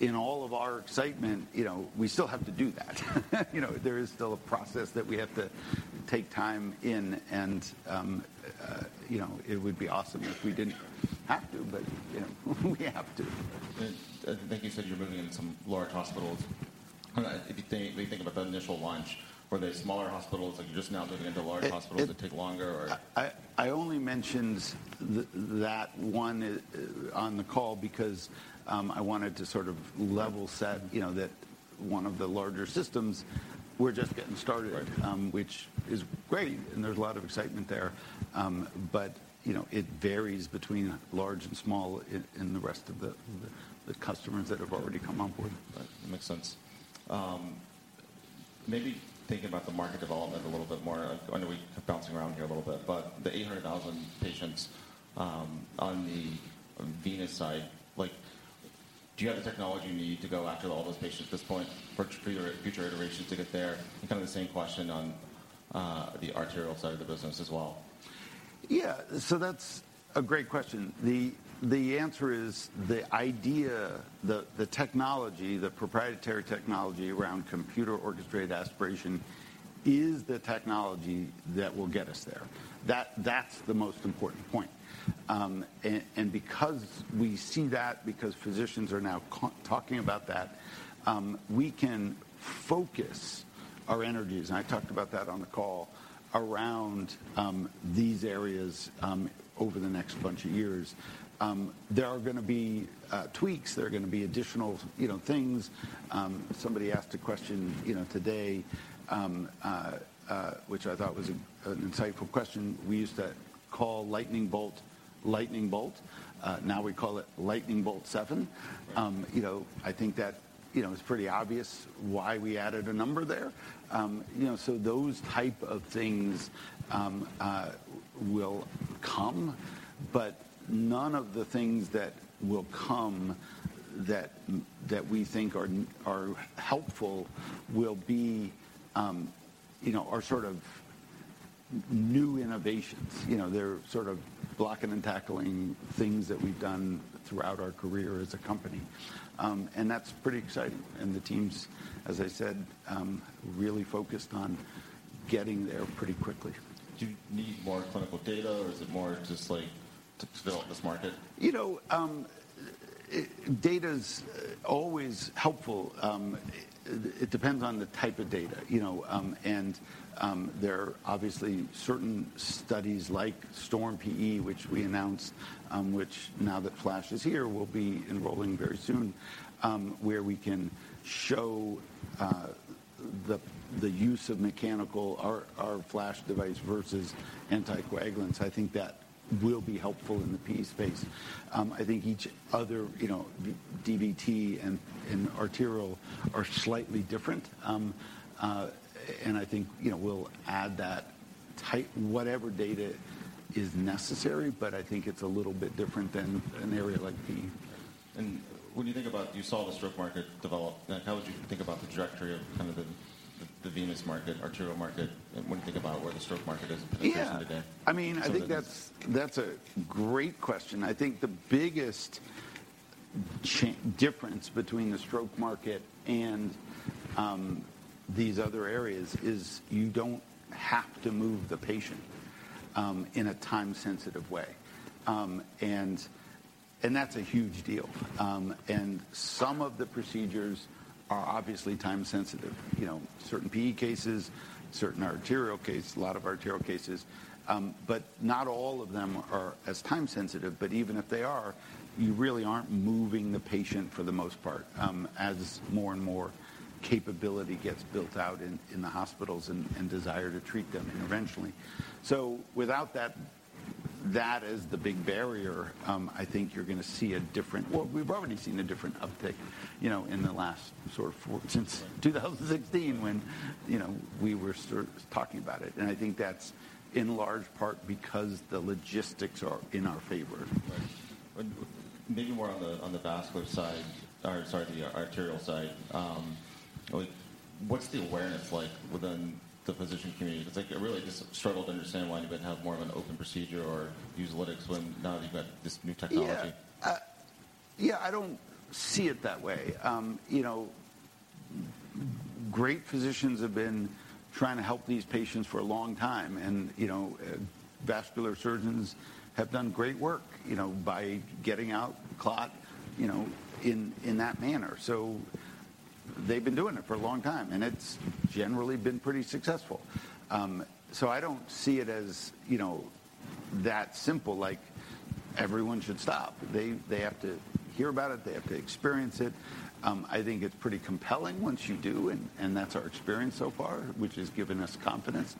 in all of our excitement, you know, we still have to do that. You know, there is still a process that we have to take time in and, you know, it would be awesome if we didn't have to, but, you know, we have to. I think you said you're moving into some large hospitals. When you think about that initial launch, were they smaller hospitals? Are you just now moving into larger hospitals that take longer or? I only mentioned that one on the call because I wanted to sort of level set, you know, that one of the larger systems, we're just getting started. Right. Which is great, and there's a lot of excitement there. You know, it varies between large and small in the rest of the customers that have already come on board. Right. That makes sense. Maybe thinking about the market development a little bit more. I know we are bouncing around here a little bit, but the 800,000 patients on the venous side, like, do you have the technology you need to go after all those patients at this point for future iterations to get there? Kind of the same question on the arterial side of the business as well? That's a great question. The answer is the idea, the technology, the proprietary technology around computer orchestrated aspiration is the technology that will get us there. That's the most important point. Because we see that, because physicians are now talking about that, we can focus our energies, and I talked about that on the call, around these areas over the next bunch of years. There are gonna be tweaks. There are gonna be additional, you know, things. Somebody asked a question, you know, today, which I thought was an insightful question. We used to call Lightning Bolt. Now we call it Lightning Bolt 7. Right. You know, I think that, you know, it's pretty obvious why we added a number there. You know, so those type of things will come, but none of the things that will come that we think are helpful will be, you know, are sort of new innovations. You know, they're sort of blocking and tackling things that we've done throughout our career as a company. That's pretty exciting. The team's, as I said, really focused on getting there pretty quickly. Do you need more clinical data, or is it more just like to develop this market? You know, data's always helpful. It depends on the type of data, you know. There are obviously certain studies like STORM-PE, which we announced, which now that Flash is here, we'll be enrolling very soon, where we can show the use of mechanical, our Flash device versus anticoagulants. I think that will be helpful in the PE space. I think each other, you know, DVT and arterial are slightly different. I think, you know, we'll add whatever data is necessary, but I think it's a little bit different than an area like PE. You saw the stroke market develop. Now how would you think about the trajectory of kind of the venous market, arterial market, and when you think about where the stroke market is in relation today? Yeah. So the- I think that's a great question. I think the biggest difference between the stroke market and these other areas is you don't have to move the patient in a time-sensitive way. That's a huge deal. Some of the procedures are obviously time-sensitive, you know, certain PE cases, certain arterial cases, a lot of arterial cases. Not all of them are as time-sensitive, but even if they are, you really aren't moving the patient for the most part, as more and more capability gets built out in the hospitals and desire to treat them interventionally. Without that is the big barrier. I think you're gonna see a different... Well, we've already seen a different uptick, you know, in the last sort of since 2016 when, you know, we were sort of talking about it. I think that's in large part because the logistics are in our favor. Right. Maybe more on the, on the vascular side or, sorry, the arterial side. like, what's the awareness like within the physician community? It's like I really just struggle to understand why you would have more of an open procedure or use lytics when now that you've got this new technology? Yeah. I don't see it that way. You know, great physicians have been trying to help these patients for a long time and, you know, vascular surgeons have done great work, you know, by getting out clot, you know, in that manner. They've been doing it for a long time, and it's generally been pretty successful. I don't see it as, you know, that simple, like everyone should stop. They, they have to hear about it. They have to experience it. I think it's pretty compelling once you do, and that's our experience so far, which has given us confidence.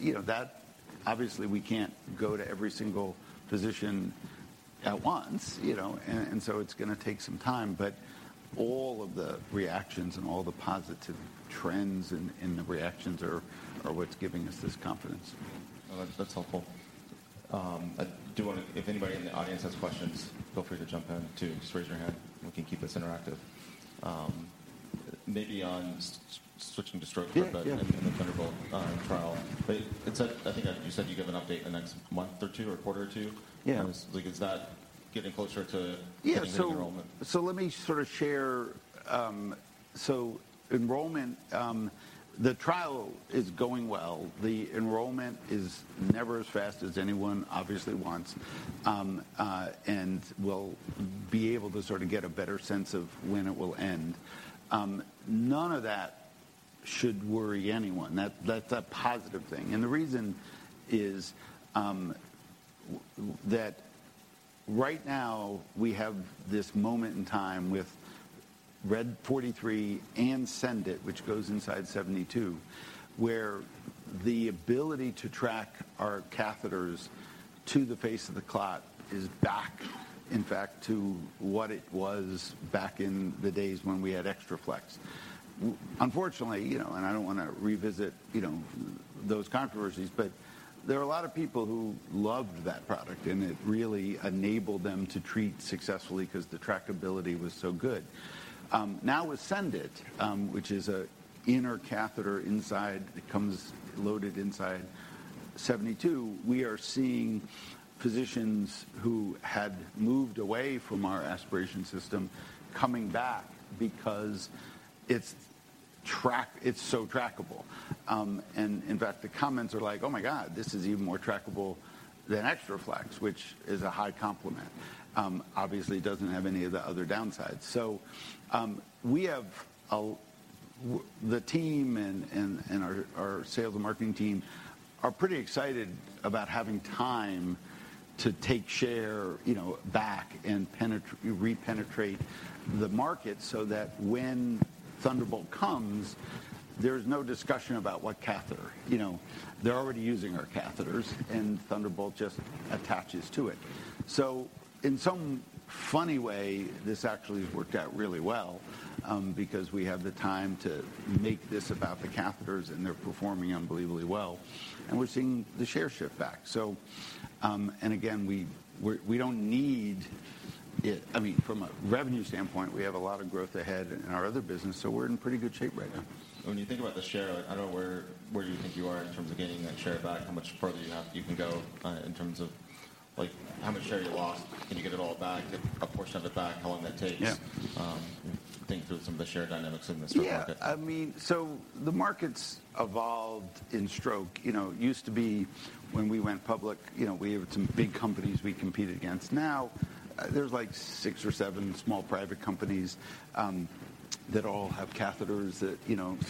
You know, that obviously we can't go to every single physician at once, you know, and so it's gonna take some time. All of the reactions and all the positive trends and the reactions are what's giving us this confidence. That's helpful. If anybody in the audience has questions, feel free to jump in too. Just raise your hand. We can keep this interactive. Maybe on switching to stroke- Yeah. Yeah. for the Thunderbolt, trial. I think you said you'd give an update in the next month or two, or quarter or two. Yeah. Like, is that getting closer? Yeah. -getting the enrollment? Let me sort of share. Enrollment, the trial is going well. The enrollment is never as fast as anyone obviously wants. And we'll be able to sort of get a better sense of when it will end. None of that should worry anyone. That's a positive thing. The reason is, that right now we have this moment in time with RED 43 and SENDit, which goes inside 72, where the ability to track our catheters to the face of the clot is back in fact to what it was back in the days when we had Xtra Flex. Unfortunately, you know, and I don't wanna revisit, you know, those controversies, but there are a lot of people who loved that product, and it really enabled them to treat successfully because the trackability was so good. Now with SENDit, which is a inner catheter inside, it comes loaded inside 72, we are seeing physicians who had moved away from our aspiration system coming back because it's so trackable. And in fact, the comments are like, "Oh my God, this is even more trackable than Xtra Flex," which is a high compliment. Obviously it doesn't have any of the other downsides. The team and our sales and marketing team are pretty excited about having time to take share, you know, back and repenetrate the market so that when Thunderbolt comes, there's no discussion about what catheter. You know, they're already using our catheters, and Thunderbolt just attaches to it. In some funny way, this actually has worked out really well, because we have the time to make this about the catheters and they're performing unbelievably well. We're seeing the share shift back. Again, we don't need it. I mean, from a revenue standpoint, we have a lot of growth ahead in our other business, so we're in pretty good shape right now. When you think about the share, like I don't know where you think you are in terms of gaining that share back, how much further you can go, in terms of like how much share you lost? Can you get it all back? Get a portion of it back? How long that takes? Yeah. Think through some of the share dynamics in the stroke market. Yeah. I mean, the market's evolved in stroke. You know, it used to be when we went public, you know, we have some big companies we competed against. Now, there's like six or seven small private companies that all have catheters that, you know, and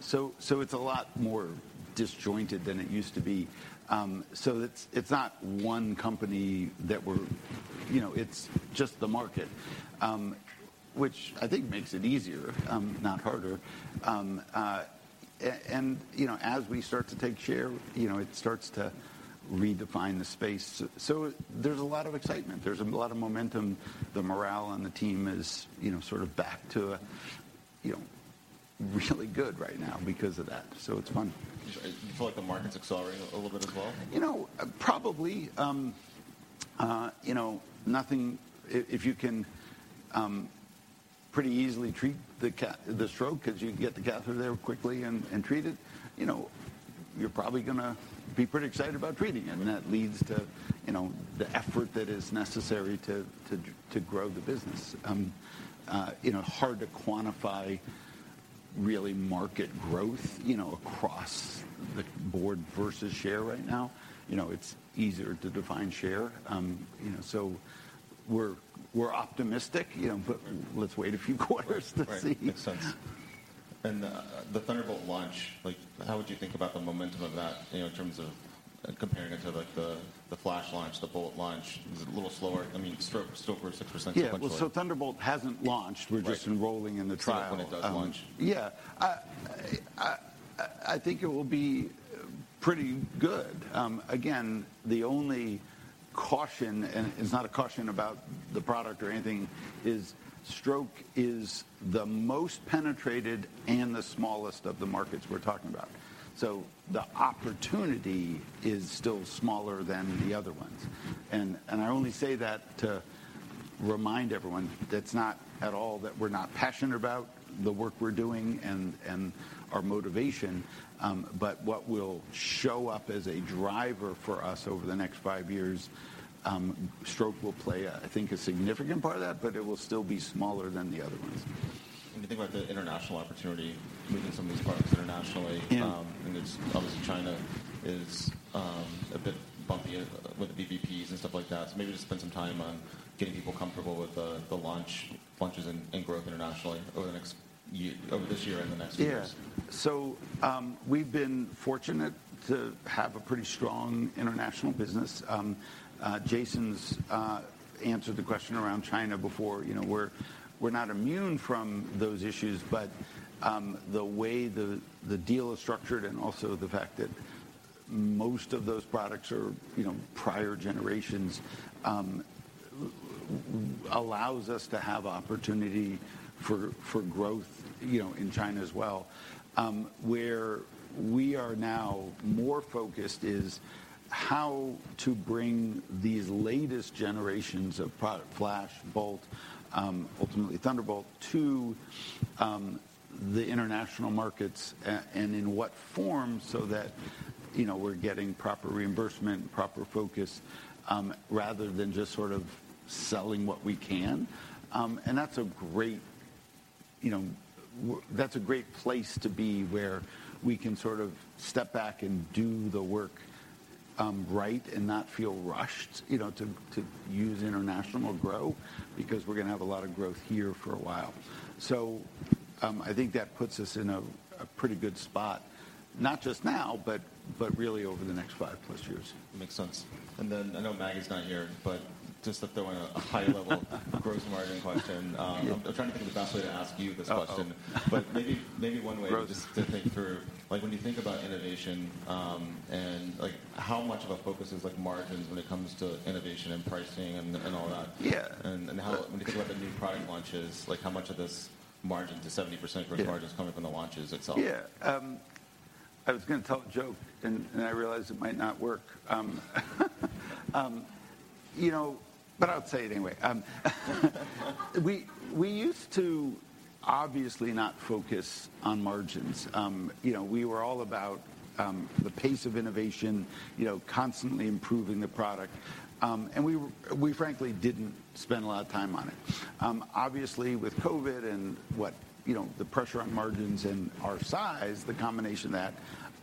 so on. It's a lot more disjointed than it used to be. It's not one company that we're... You know, it's just the market, which I think makes it easier, not harder. You know, as we start to take share, you know, it starts to redefine the space. There's a lot of excitement. There's a lot of momentum. The morale on the team is, you know, sort of back to a, you know, really good right now because of that. It's fun. Do you feel like the market's accelerating a little bit as well? You know, probably. You know, nothing. If you can, pretty easily treat the stroke because you can get the catheter there quickly and treat it, you know, you're probably gonna be pretty excited about treating it. That leads to, you know, the effort that is necessary to grow the business. You know, hard to quantify really market growth, you know, across the board versus share right now. You know, it's easier to define share. You know, so we're optimistic, you know, but let's wait a few quarters to see. Right. Makes sense. The Thunderbolt launch, like, how would you think about the momentum of that, you know, in terms of comparing it to, like, the Flash launch, the Bolt launch? Is it a little slower? I mean, still over 6% sequentially. Yeah. Well, Thunderbolt hasn't launched. Right. We're just enrolling in the trial. When it does launch. Yeah. I think it will be pretty good. Again, the only caution, and it's not a caution about the product or anything, is stroke is the most penetrated and the smallest of the markets we're talking about. The opportunity is still smaller than the other ones. I only say that to remind everyone that's not at all that we're not passionate about the work we're doing and our motivation. What will show up as a driver for us over the next five years, stroke will play, I think, a significant part of that, but it will still be smaller than the other ones. When you think about the international opportunity, moving some of these products internationally... Yeah I mean, it's obviously China is a bit bumpy with the VBPs and stuff like that. Maybe just spend some time on getting people comfortable with the launches and growth internationally over this year and the next few years. Yeah. We've been fortunate to have a pretty strong international business. Jason's answered the question around China before. You know, we're not immune from those issues, but the way the deal is structured and also the fact that most of those products are, you know, prior generations, allows us to have opportunity for growth, you know, in China as well. Where we are now more focused is how to bring these latest generations of product, Flash, Bolt, ultimately Thunderbolt, to the international markets and in what form so that, you know, we're getting proper reimbursement, proper focus, rather than just sort of selling what we can. That's a great, you know, That's a great place to be where we can sort of step back and do the work, right and not feel rushed, you know, to use international or grow because we're gonna have a lot of growth here for a while. I think that puts us in a pretty good spot, not just now, but really over the next 5+ years. Makes sense. I know Maggie's not here, but just to throw in a high-level gross margin question. I'm trying to think of the best way to ask you this question. Uh-oh. maybe. Gross... just to think through, when you think about innovation, and how much of a focus is margins when it comes to innovation and pricing and all that? Yeah. When you think about the new product launches, like how much of this margin to 70%. Yeah gross margin is coming from the launches itself? I was gonna tell a joke and I realized it might not work. You know, but I'll say it anyway. We, we used to obviously not focus on margins. You know, we were all about, the pace of innovation, you know, constantly improving the product. We frankly didn't spend a lot of time on it. Obviously with COVID and what, you know, the pressure on margins and our size, the combination of that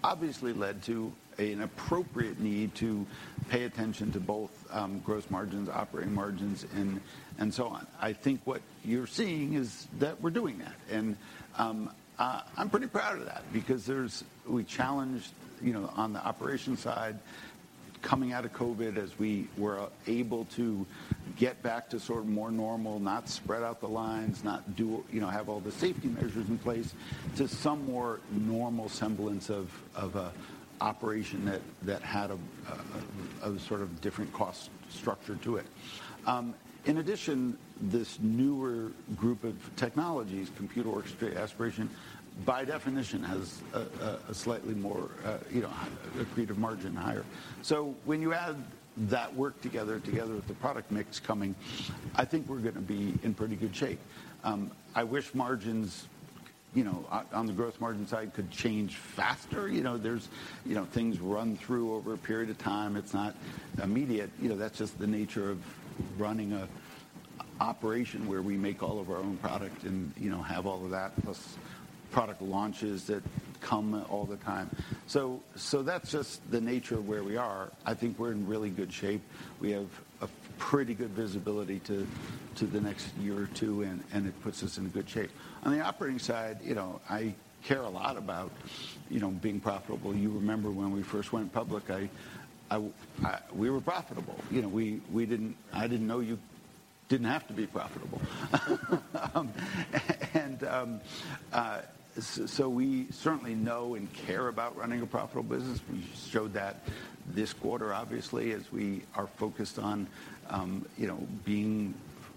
obviously led to an appropriate need to pay attention to both, gross margins, operating margins and so on. I think what you're seeing is that we're doing that, and I'm pretty proud of that because we challenged, you know, on the operations side coming out of COVID as we were able to get back to sort of more normal, not spread out the lines, not do, you know, have all the safety measures in place to some more normal semblance of a operation that had a sort of different cost structure to it. In addition, this newer group of technologies, computer orchestrated aspiration, by definition, has a slightly more, you know, accretive margin higher. When you add that work together with the product mix coming, I think we're gonna be in pretty good shape. I wish margins, you know, on the growth margin side could change faster. You know, there's, you know, things run through over a period of time. It's not immediate. You know, that's just the nature of running an operation where we make all of our own product and, you know, have all of that, plus product launches that come all the time. That's just the nature of where we are. I think we're in really good shape. We have a pretty good visibility to the next year or two, and it puts us in a good shape. On the operating side, you know, I care a lot about, you know, being profitable. You remember when we first went public, I, we were profitable. You know, we didn't know you didn't have to be profitable. We certainly know and care about running a profitable business. We showed that this quarter, obviously, as we are focused on, you know, being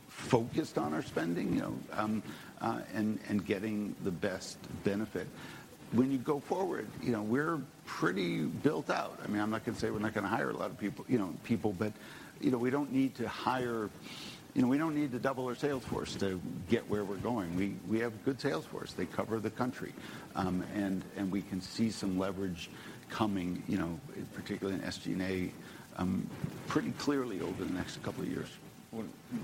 focused on our spending, you know, and getting the best benefit. When you go forward, you know, we're pretty built out. I mean, I'm not gonna say we're not gonna hire a lot of people, you know, people, but, you know, we don't need to hire. You know, we don't need to double our sales force to get where we're going. We have a good sales force. They cover the country. We can see some leverage coming, you know, particularly in SG&A, pretty clearly over the next couple of years.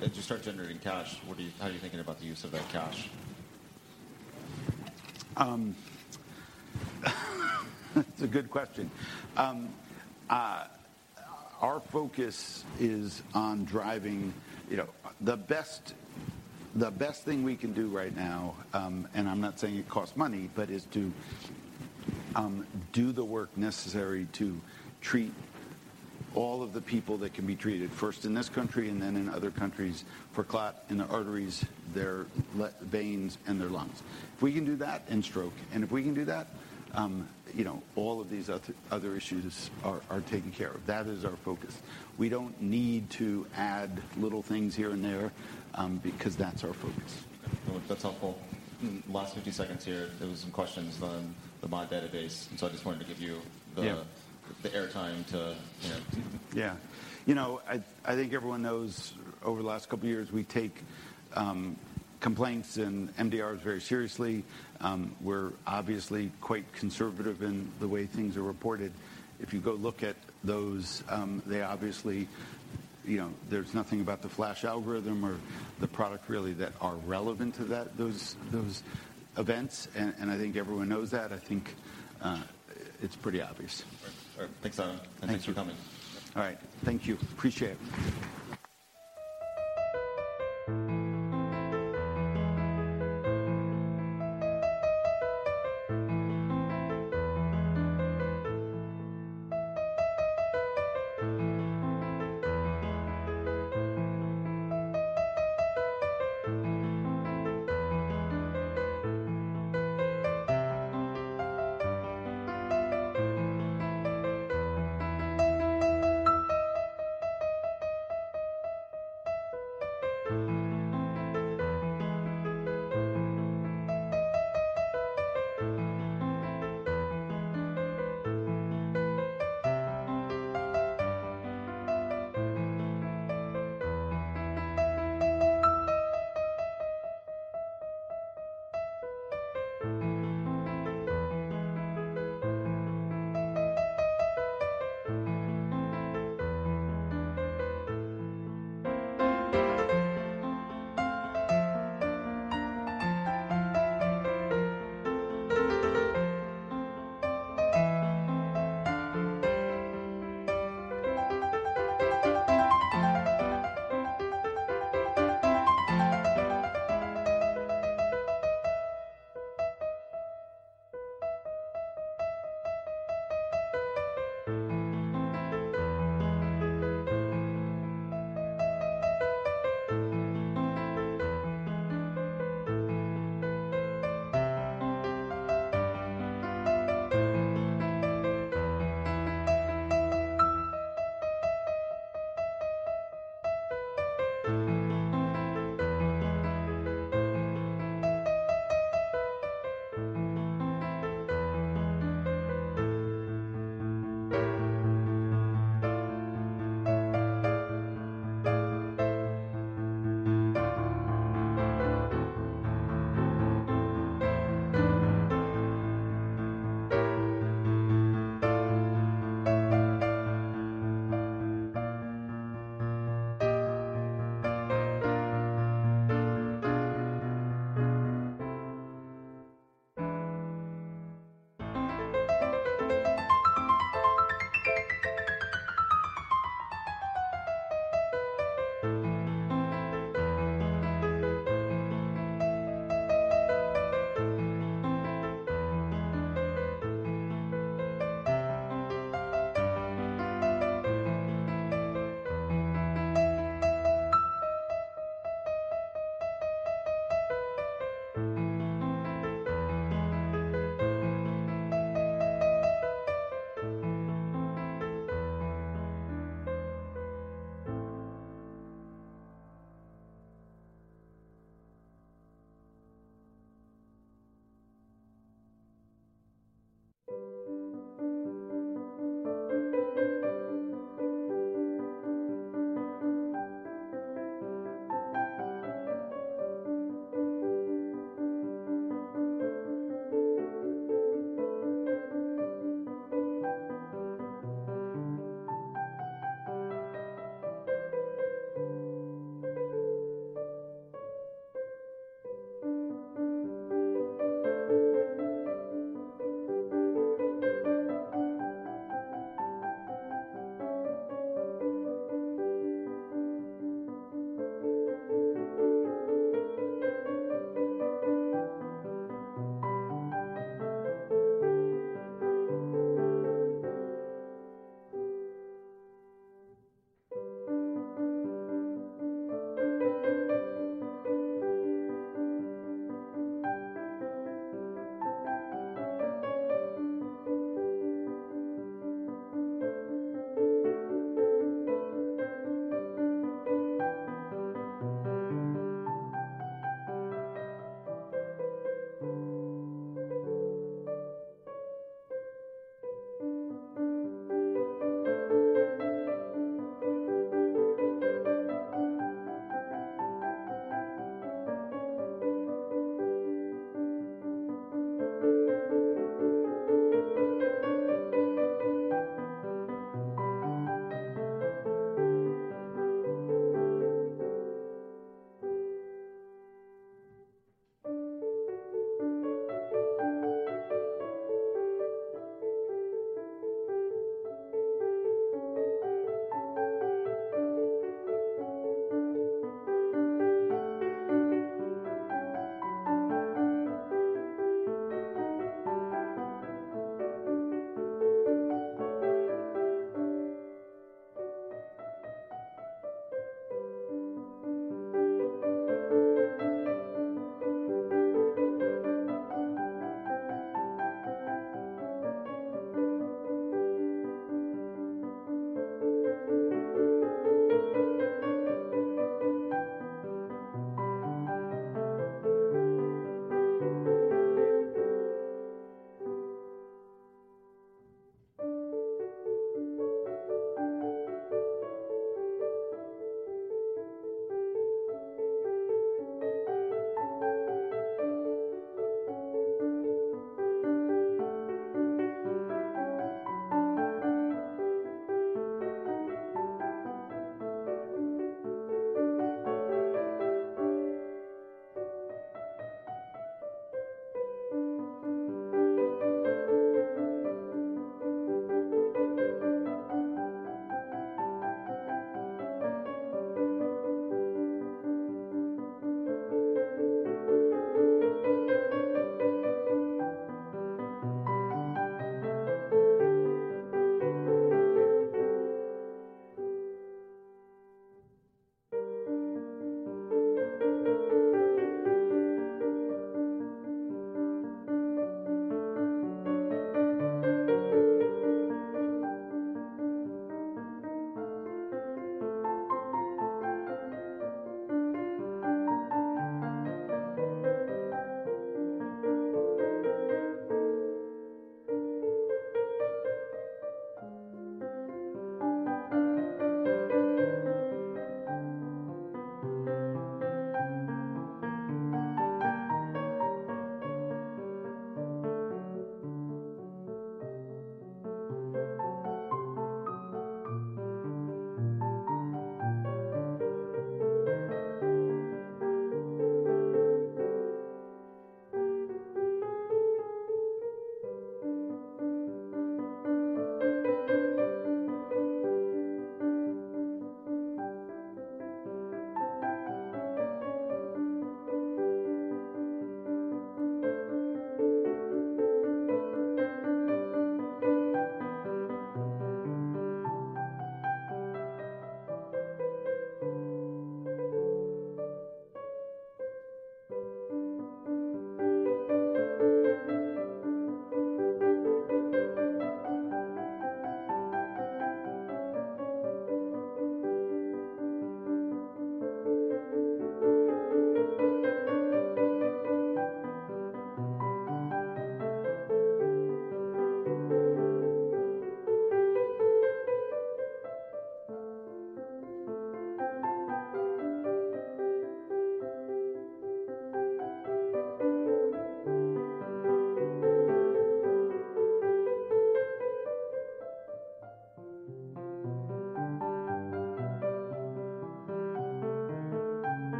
As you start generating cash, how are you thinking about the use of that cash? That's a good question. Our focus is on driving, you know, the best thing we can do right now, and I'm not saying it costs money, but is to do the work necessary to treat all of the people that can be treated, first in this country and then in other countries, for clot in their arteries, their veins, and their lungs. If we can do that in stroke, and if we can do that, you know, all of these other issues are taken care of. That is our focus. We don't need to add little things here and there, because that's our focus. Well, that's helpful. Last 50 seconds here, there was some questions on the MAUDE database, I just wanted to give you the-. Yeah. The airtime to, you know. Yeah. You know, I think everyone knows over the last couple years, we take complaints and MDRs very seriously. We're obviously quite conservative in the way things are reported. If you go look at those, they obviously, you know, there's nothing about the Flash algorithm or the product really that are relevant to that, those events and I think everyone knows that. I think it's pretty obvious. All right. Thanks, Alan. Thank you. Thanks for coming. All right. Thank you. Appreciate it.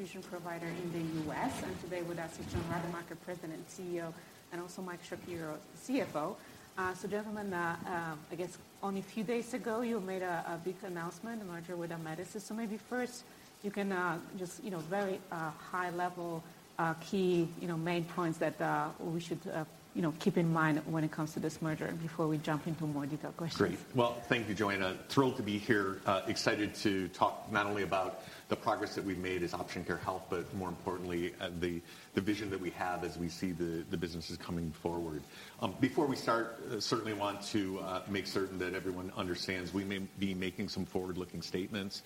Just a home infusion provider in the U.S. and today with us is John Rademacher, President and CEO, and also Mike Shapiro, CFO. Gentlemen, I guess only a few days ago, you made a big announcement, a merger with Amedisys. Maybe first you can, just, you know, very, high level, key, you know, main points that, we should, you know, keep in mind when it comes to this merger before we jump into more detailed questions. Great. Well, thank you, Joanna. Thrilled to be here. Excited to talk not only about the progress that we've made as Option Care Health, but more importantly, the vision that we have as we see the businesses coming forward. Before we start, certainly want to make certain that everyone understands we may be making some forward-looking statements,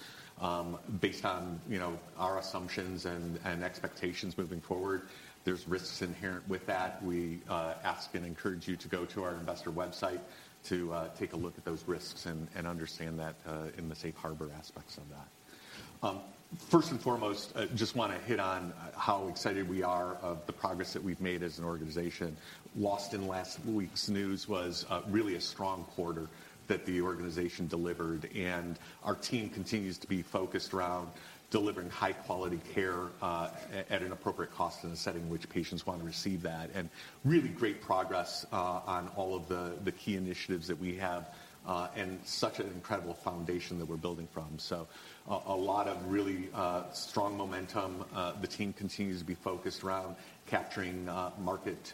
based on, you know, our assumptions and expectations moving forward. There's risks inherent with that. We ask and encourage you to go to our investor website to take a look at those risks and understand that in the safe harbor aspects of that. First and foremost, just wanna hit on how excited we are of the progress that we've made as an organization. Lost in last week's news was, really a strong quarter that the organization delivered, and our team continues to be focused around delivering high quality care, at an appropriate cost in a setting which patients wanna receive that. Really great progress on all of the key initiatives that we have, and such an incredible foundation that we're building from. A lot of really strong momentum. The team continues to be focused around capturing market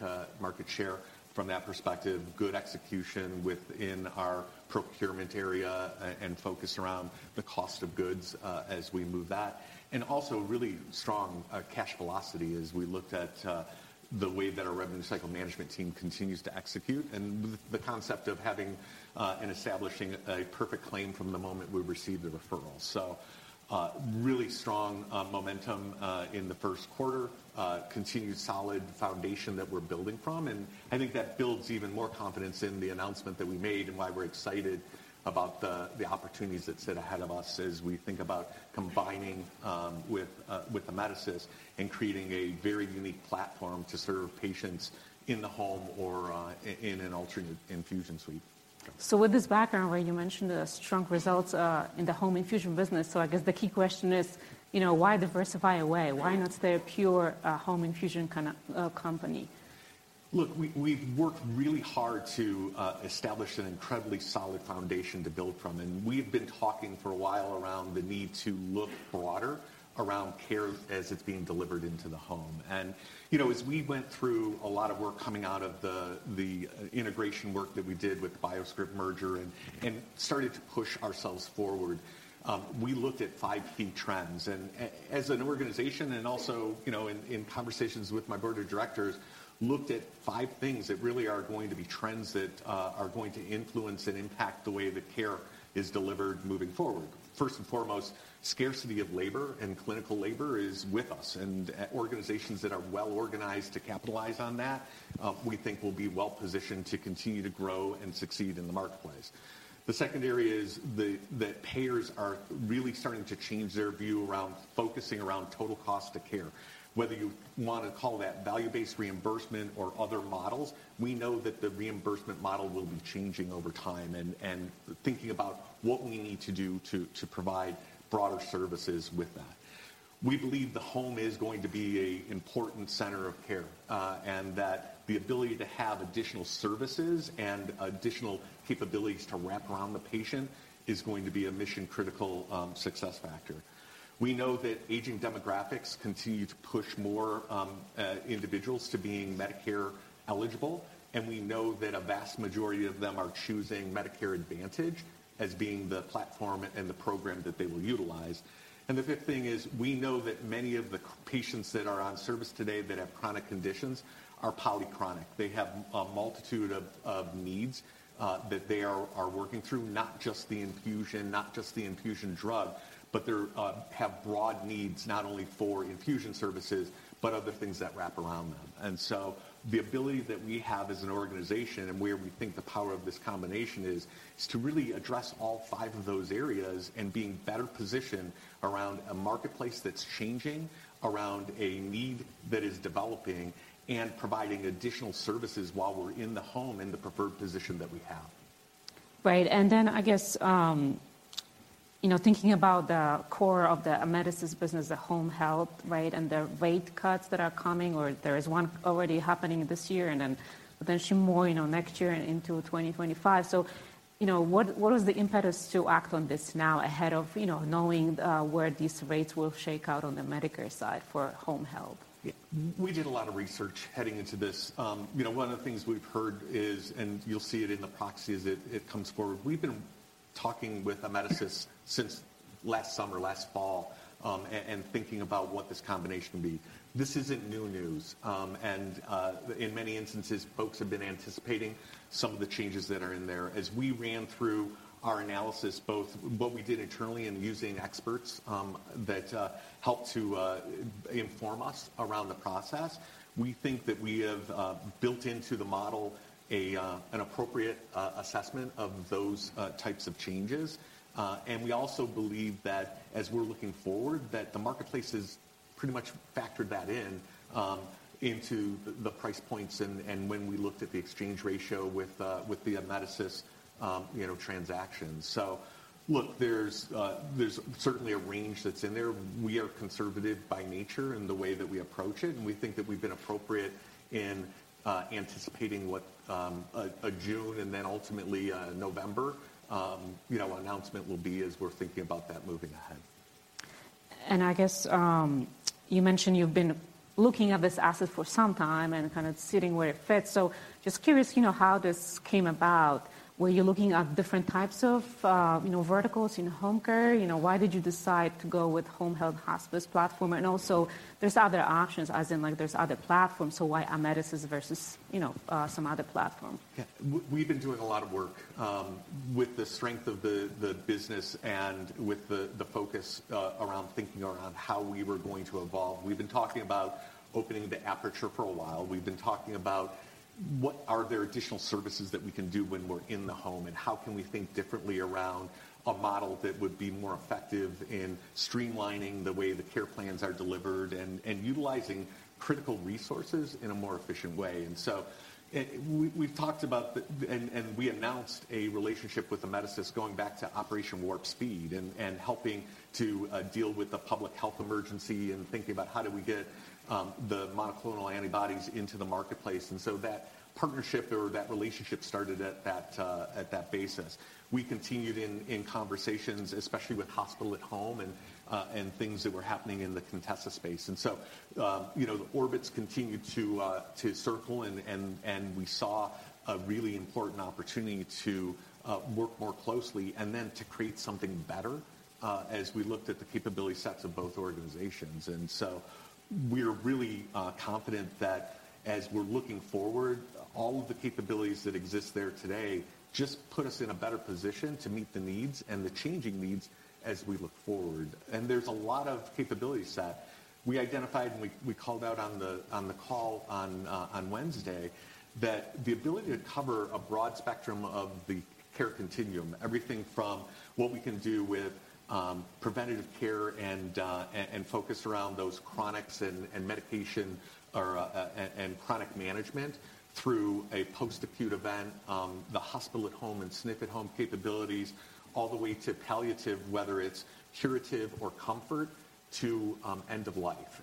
share from that perspective. Good execution within our procurement area, and focus around the cost of goods as we move that. Also really strong cash velocity as we looked at the way that our revenue cycle management team continues to execute and the concept of having and establishing a perfect claim from the moment we receive the referral. Really strong momentum in the first quarter. Continued solid foundation that we're building from, and I think that builds even more confidence in the announcement that we made and why we're excited about the opportunities that sit ahead of us as we think about combining with Amedisys and creating a very unique platform to serve patients in the home or in an alternate infusion suite. With this background where you mentioned the strong results, in the home infusion business, so I guess the key question is, you know, why diversify away? Yeah. Why not stay a pure, home infusion kind of, company? Look, we've worked really hard to establish an incredibly solid foundation to build from, and we've been talking for a while around the need to look broader around care as it's being delivered into the home. You know, as we went through a lot of work coming out of the integration work that we did with the BioScrip merger and started to push ourselves forward, we looked at five key trends. As an organization and also, you know, in conversations with my board of directors, looked at five things that really are going to be trends that are going to influence and impact the way that care is delivered moving forward. First and foremost, scarcity of labor and clinical labor is with us. Organizations that are well-organized to capitalize on that, we think will be well-positioned to continue to grow and succeed in the marketplace. The second area is that payers are really starting to change their view around focusing around total cost of care. Whether you wanna call that value-based reimbursement or other models, we know that the reimbursement model will be changing over time and thinking about what we need to do to provide broader services with that. We believe the home is going to be a important center of care, and that the ability to have additional services and additional capabilities to wrap around the patient is going to be a mission-critical success factor. We know that aging demographics continue to push more individuals to being Medicare eligible. We know that a vast majority of them are choosing Medicare Advantage as being the platform and the program that they will utilize. The fifth thing is, we know that many of the patients that are on service today that have chronic conditions are polychronic. They have a multitude of needs that they are working through, not just the infusion, not just the infusion drug, but they have broad needs, not only for infusion services but other things that wrap around them. The ability that we have as an organization and where we think the power of this combination is to really address all five of those areas and being better positioned around a marketplace that's changing, around a need that is developing, and providing additional services while we're in the home in the preferred position that we have. Right. I guess, you know, thinking about the core of the Amedisys business, the Home Health, right, and the rate cuts that are coming, or there is one already happening this year, and then potentially more, you know, next year and into 2025. You know, what is the impetus to act on this now ahead of, you know, knowing where these rates will shake out on the Medicare side for Home Health? Yeah. We did a lot of research heading into this. You know, one of the things we've heard is, and you'll see it in the proxies as it comes forward, we've been talking with Amedisys since last summer, last fall, and thinking about what this combination will be. This isn't new news. In many instances, folks have been anticipating some of the changes that are in there. As we ran through our analysis, both what we did internally and using experts that helped to inform us around the process, we think that we have built into the model an appropriate assessment of those types of changes. We also believe that as we're looking forward, that the marketplace is pretty much factored that in, into the price points and when we looked at the exchange ratio with the Amedisys, you know, transaction. Look, there's certainly a range that's in there. We are conservative by nature in the way that we approach it, and we think that we've been appropriate in anticipating what a June and then ultimately November, you know, announcement will be as we're thinking about that moving ahead. I guess, you mentioned you've been looking at this asset for some time and kind of sitting where it fits. Just curious, you know, how this came about. Were you looking at different types of, you know, verticals in home care? You know, why did you decide to go with Home Health hospice platform? Also there's other options as in, like, there's other platforms, so why Amedisys versus, you know, some other platform? Yeah. We've been doing a lot of work with the strength of the business and with the focus around thinking around how we were going to evolve. We've been talking about opening the aperture for a while. We've been talking about what are there additional services that we can do when we're in the home, and how can we think differently around a model that would be more effective in streamlining the way the care plans are delivered and utilizing critical resources in a more efficient way. We've talked about. We announced a relationship with Amedisys going back to Operation Warp Speed and helping to deal with the public health emergency and thinking about how do we get the monoclonal antibodies into the marketplace. That partnership or that relationship started at that basis. We continued in conversations, especially with hospital at home and things that were happening in the Contessa space. You know, the orbits continued to circle and we saw a really important opportunity to work more closely and then to create something better as we looked at the capability sets of both organizations. We're really confident that as we're looking forward, all of the capabilities that exist there today just put us in a better position to meet the needs and the changing needs as we look forward. There's a lot of capability set. We identified and we called out on the, on the call on Wednesday that the ability to cover a broad spectrum of the care continuum, everything from what we can do with preventative care and focus around those chronics and medication or chronic management through a post-acute event, the hospital at home and SNF at home capabilities, all the way to palliative, whether it's curative or comfort, to end of life.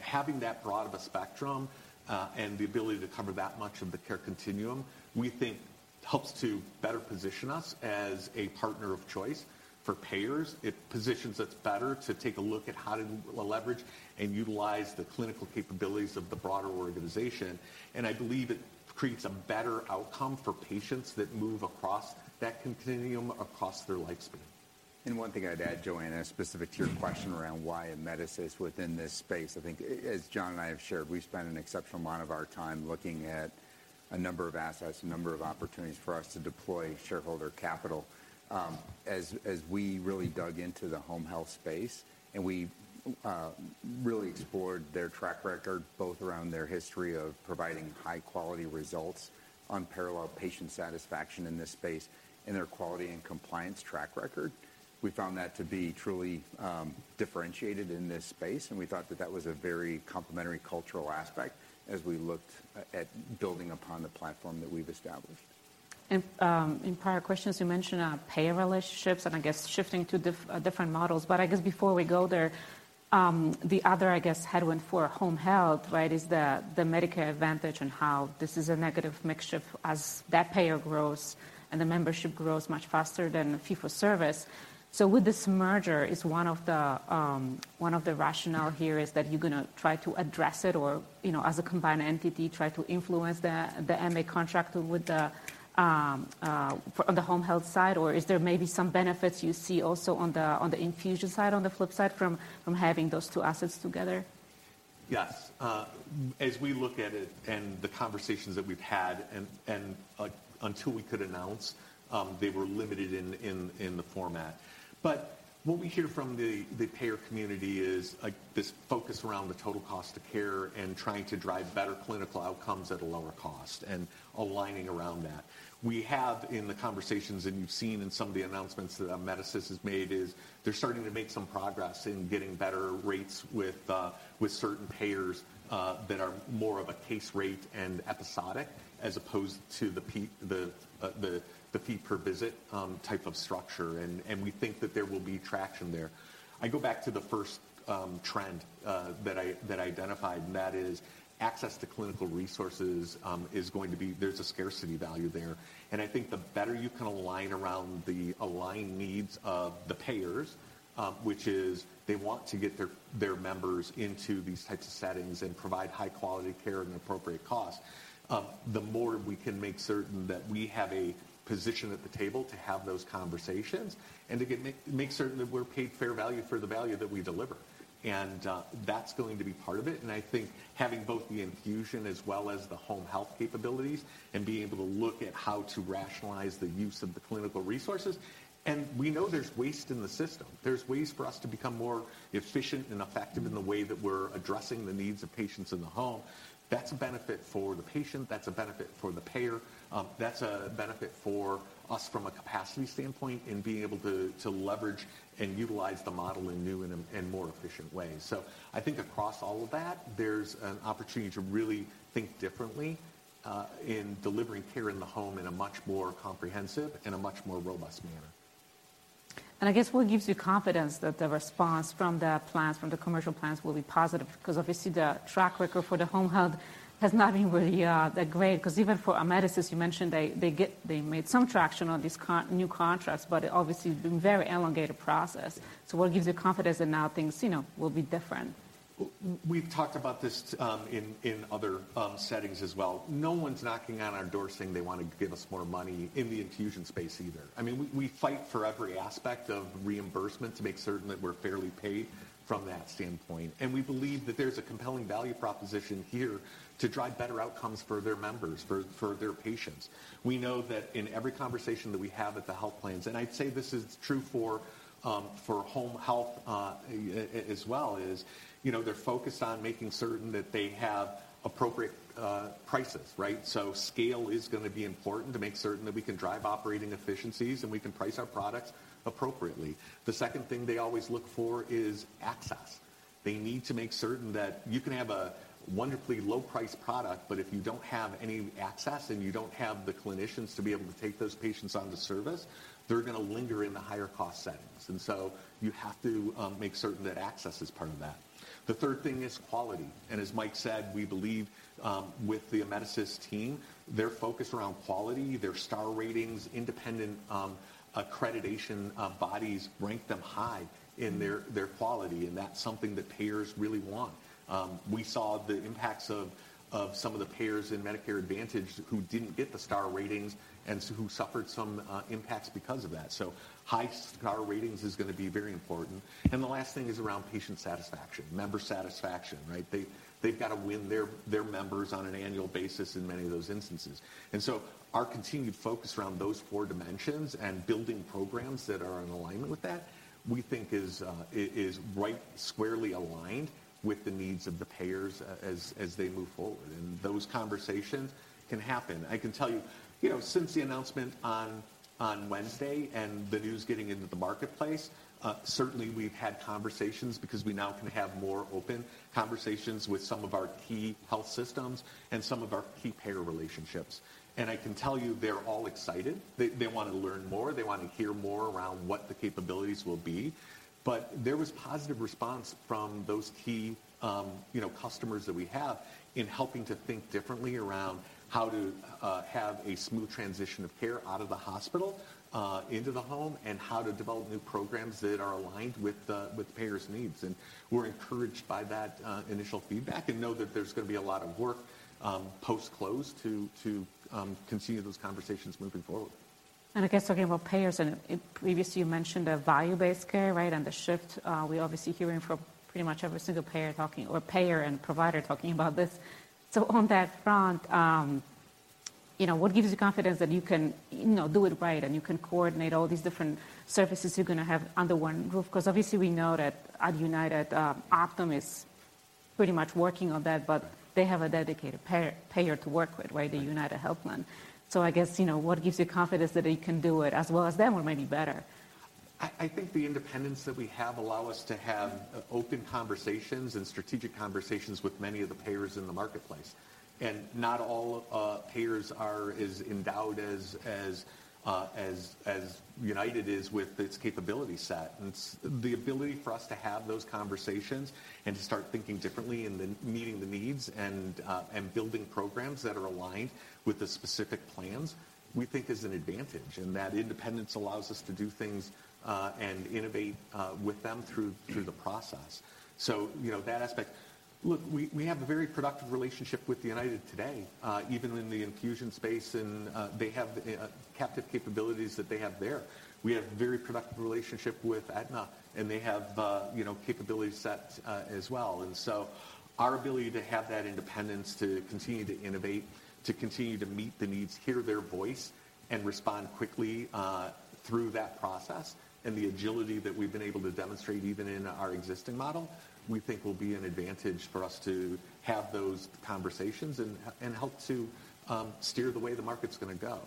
Having that broad of a spectrum, and the ability to cover that much of the care continuum, we think helps to better position us as a partner of choice for payers. It positions us better to take a look at how to leverage and utilize the clinical capabilities of the broader organization. I believe it creates a better outcome for patients that move across that continuum across their lifespan. One thing I'd add, Joanna, specific to your question around why Amedisys within this space. I think as John and I have shared, we've spent an exceptional amount of our time looking at a number of assets, a number of opportunities for us to deploy shareholder capital. As we really dug into the Home Health space, and we really explored their track record, both around their history of providing high quality results, unparalleled patient satisfaction in this space, and their quality and compliance track record. We found that to be truly differentiated in this space, and we thought that that was a very complementary cultural aspect as we looked at building upon the platform that we've established. In prior questions, you mentioned payer relationships and I guess shifting to different models. I guess before we go there, the other, I guess, headwind for Home Health, right, is the Medicare Advantage and how this is a negative mixture as that payer grows and the membership grows much faster than fee for service. Would this merger, is one of the rationale here is that you're gonna try to address it or, you know, as a combined entity, try to influence the MA contract with the on the Home Health side? Is there maybe some benefits you see also on the infusion side, on the flip side from having those two assets together? Yes. As we look at it and the conversations that we've had and, until we could announce, they were limited in the format. What we hear from the payer community is, like, this focus around the total cost of care and trying to drive better clinical outcomes at a lower cost and aligning around that. We have in the conversations, and you've seen in some of the announcements that Amedisys has made, is they're starting to make some progress in getting better rates with certain payers that are more of a case rate and episodic as opposed to the fee per visit type of structure. We think that there will be traction there. I go back to the first, trend, that I, that I identified, and that is access to clinical resources, there's a scarcity value there. I think the better you can align around the aligned needs of the payers, which is they want to get their members into these types of settings and provide high quality care at an appropriate cost, the more we can make certain that we have a position at the table to have those conversations and make certain that we're paid fair value for the value that we deliver. That's going to be part of it. I think having both the infusion as well as the Home Health capabilities and being able to look at how to rationalize the use of the clinical resources, and we know there's waste in the system. There's ways for us to become more efficient and effective in the way that we're addressing the needs of patients in the home. That's a benefit for the patient, that's a benefit for the payer, that's a benefit for us from a capacity standpoint in being able to leverage and utilize the model in new and more efficient ways. I think across all of that, there's an opportunity to really think differently, in delivering care in the home in a much more comprehensive and a much more robust manner. I guess what gives you confidence that the response from the plans, from the commercial plans will be positive? Obviously the track record for the Home Health has not been really that great, because even for Amedisys, you mentioned they made some traction on these new contracts, but obviously it's been very elongated process. What gives you confidence that now things, you know, will be different? We've talked about this, in other settings as well. No one's knocking on our door saying they wanna give us more money in the infusion space either. I mean, we fight for every aspect of reimbursement to make certain that we're fairly paid from that standpoint. We believe that there's a compelling value proposition here to drive better outcomes for their members, for their patients. We know that in every conversation that we have at the health plans, and I'd say this is true for Home Health as well, is, you know, they're focused on making certain that they have appropriate prices, right? Scale is gonna be important to make certain that we can drive operating efficiencies and we can price our products appropriately. The second thing they always look for is access. They need to make certain that you can have a wonderfully low-priced product, but if you don't have any access and you don't have the clinicians to be able to take those patients on the service, they're gonna linger in the higher cost settings. You have to make certain that access is part of that. The third thing is quality. As Mike said, we believe with the Amedisys team, they're focused around quality, their star ratings, independent accreditation bodies rank them high in their quality, and that's something that payers really want. We saw the impacts of some of the payers in Medicare Advantage who didn't get the star ratings and who suffered some impacts because of that. High star ratings is gonna be very important. The last thing is around patient satisfaction, member satisfaction, right? They've got to win their members on an annual basis in many of those instances. Our continued focus around those four dimensions and building programs that are in alignment with that, we think is right squarely aligned with the needs of the payers as they move forward. Those conversations can happen. I can tell you know, since the announcement on Wednesday and the news getting into the marketplace, certainly we've had conversations because we now can have more open conversations with some of our key health systems and some of our key payer relationships. I can tell you they're all excited. They wanna learn more. They wanna hear more around what the capabilities will be. There was positive response from those key, you know, customers that we have in helping to think differently around how to have a smooth transition of care out of the hospital into the home and how to develop new programs that are aligned with the payer's needs. We're encouraged by that initial feedback and know that there's gonna be a lot of work post-close to continue those conversations moving forward. I guess talking about payers, previously you mentioned a value-based care, right? The shift, we obviously hearing from pretty much every single payer talking or payer and provider talking about this. On that front, you know, what gives you confidence that you can, you know, do it right and you can coordinate all these different services you're gonna have under one roof? Because obviously we know that at United, Optum is pretty much working on that, but they have a dedicated payer to work with, right, the UnitedHealth plan. I guess, you know, what gives you confidence that you can do it as well as them or maybe better? I think the independence that we have allow us to have open conversations and strategic conversations with many of the payers in the marketplace. Not all payers are as endowed as United is with its capability set. The ability for us to have those conversations and to start thinking differently and then meeting the needs and building programs that are aligned with the specific plans, we think is an advantage. That independence allows us to do things and innovate with them through the process. You know, that aspect... Look, we have a very productive relationship with United today, even in the infusion space and they have captive capabilities that they have there. We have very productive relationship with Aetna, and they have, you know, capability set as well. Our ability to have that independence to continue to innovate, to continue to meet the needs, hear their voice, and respond quickly through that process and the agility that we've been able to demonstrate even in our existing model, we think will be an advantage for us to have those conversations and help to steer the way the market's gonna go.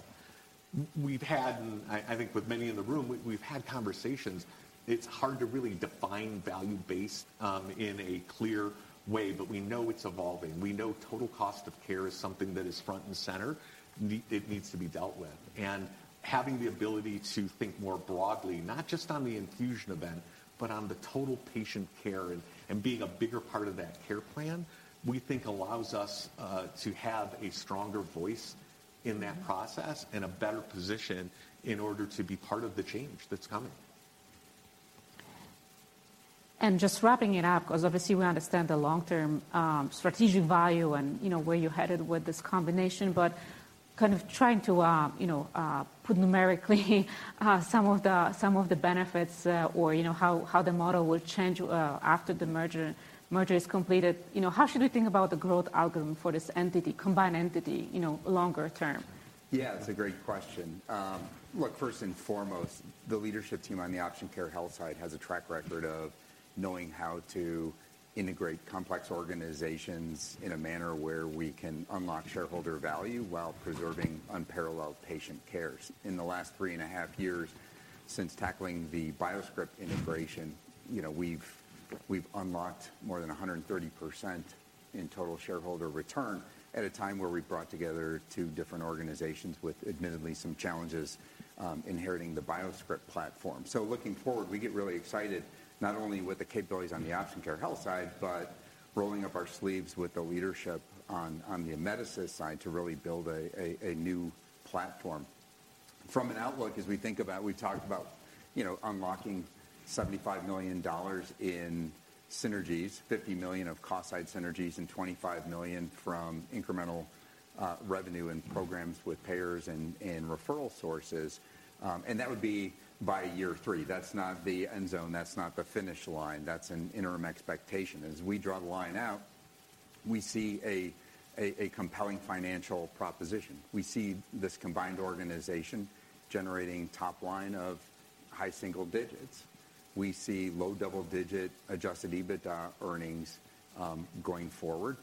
We've had, I think with many in the room, we've had conversations. It's hard to really define value base in a clear way, but we know it's evolving. We know total cost of care is something that is front and center it needs to be dealt with. Having the ability to think more broadly, not just on the infusion event, but on the total patient care and being a bigger part of that care plan, we think allows us to have a stronger voice in that process and a better position in order to be part of the change that's coming. Just wrapping it up, because obviously we understand the long-term, strategic value and, you know, where you're headed with this combination, but kind of trying to, you know, put numerically, some of the benefits, or, you know, how the model will change after the merger is completed. You know, how should we think about the growth algorithm for this entity, combined entity, you know, longer term? Yeah, that's a great question. Look, first and foremost, the leadership team on the Option Care Health side has a track record of knowing how to integrate complex organizations in a manner where we can unlock shareholder value while preserving unparalleled patient cares. In the last three and a half years... Since tackling the BioScrip integration, you know, we've unlocked more than 130% in total shareholder return at a time where we brought together two different organizations with admittedly some challenges, inheriting the BioScrip platform. Looking forward, we get really excited not only with the capabilities on the Option Care Health side, but rolling up our sleeves with the leadership on the Amedisys side to really build a new platform. From an outlook, as we think about, we talked about, you know, unlocking $75 million in synergies, $50 million of cost side synergies, and $25 million from incremental revenue and programs with payers and referral sources. That would be by year three. That's not the end zone. That's not the finish line. That's an interim expectation. As we draw the line out, we see a compelling financial proposition. We see this combined organization generating top line of high single digits. We see low double-digit adjusted EBITDA earnings going forward,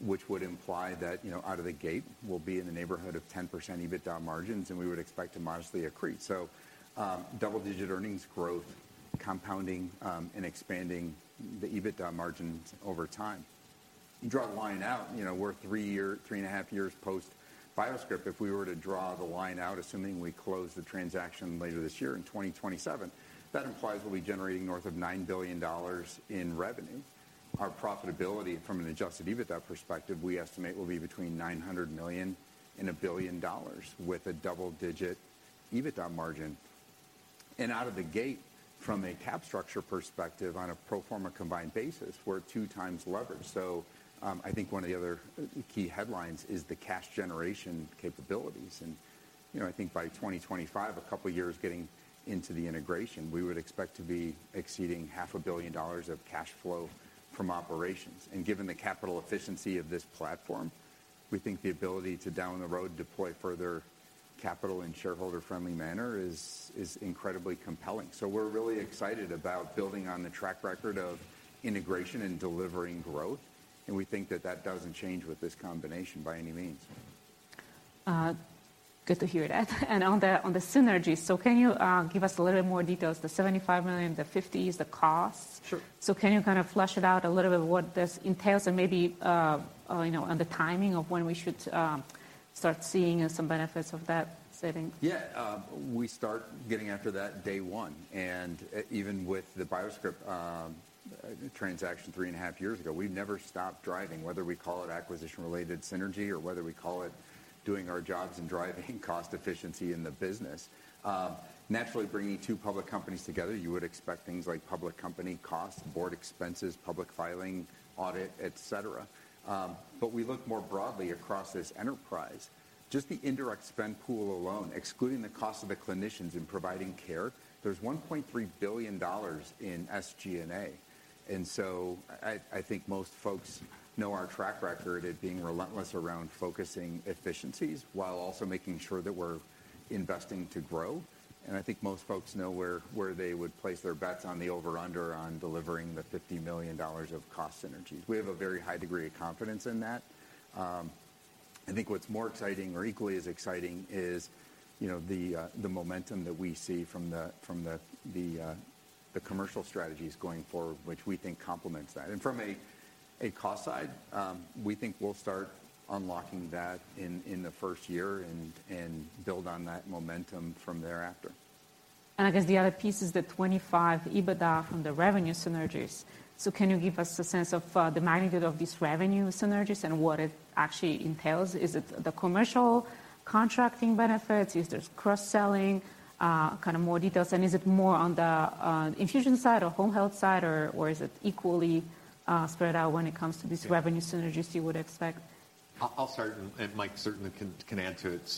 which would imply that, you know, out of the gate, we'll be in the neighborhood of 10% EBITDA margins, and we would expect to modestly accrete. Double-digit earnings growth compounding and expanding the EBITDA margins over time. You draw the line out, you know, we're three and a half years post BioScrip. If we were to draw the line out, assuming we close the transaction later this year in 2027, that implies we'll be generating north of $9 billion in revenue. Our profitability from an adjusted EBITDA perspective, we estimate will be between $900 million and $1 billion with a double-digit EBITDA margin. Out of the gate, from a cap structure perspective, on a pro forma combined basis, we're 2x leverage. I think one of the other key headlines is the cash generation capabilities. you know, I think by 2025, a couple of years getting into the integration, we would expect to be exceeding half a billion dollars of cash flow from operations. Given the capital efficiency of this platform, we think the ability to down the road deploy further capital in shareholder-friendly manner is incredibly compelling. We're really excited about building on the track record of integration and delivering growth, and we think that that doesn't change with this combination by any means. Good to hear that. On the synergies, can you give us a little more details? The $75 million, the 50s, the costs. Sure. Can you kinda flesh it out a little bit what this entails and maybe, you know, on the timing of when we should start seeing some benefits of that setting? We start getting after that day one. Even with the BioScrip transaction 3.5 years ago, we never stopped driving, whether we call it acquisition-related synergy or whether we call it doing our jobs and driving cost efficiency in the business. Naturally, bringing two public companies together, you would expect things like public company costs, board expenses, public filing, audit, et cetera. We look more broadly across this enterprise. Just the indirect spend pool alone, excluding the cost of the clinicians in providing care, there's $1.3 billion in SG&A. I think most folks know our track record at being relentless around focusing efficiencies while also making sure that we're investing to grow. I think most folks know where they would place their bets on the over-under on delivering the $50 million of cost synergies. We have a very high degree of confidence in that. I think what's more exciting or equally as exciting is, you know, the momentum that we see from the commercial strategies going forward, which we think complements that. From a cost side, we think we'll start unlocking that in the first year and build on that momentum from thereafter. I guess the other piece is the 25 EBITDA from the revenue synergies. Can you give us a sense of the magnitude of these revenue synergies and what it actually entails? Is it the commercial contracting benefits? Is this cross-selling? Kind of more details? Is it more on the infusion side or Home Health side, or is it equally spread out when it comes to these revenue synergies you would expect? I'll start, and Mike certainly can add to it.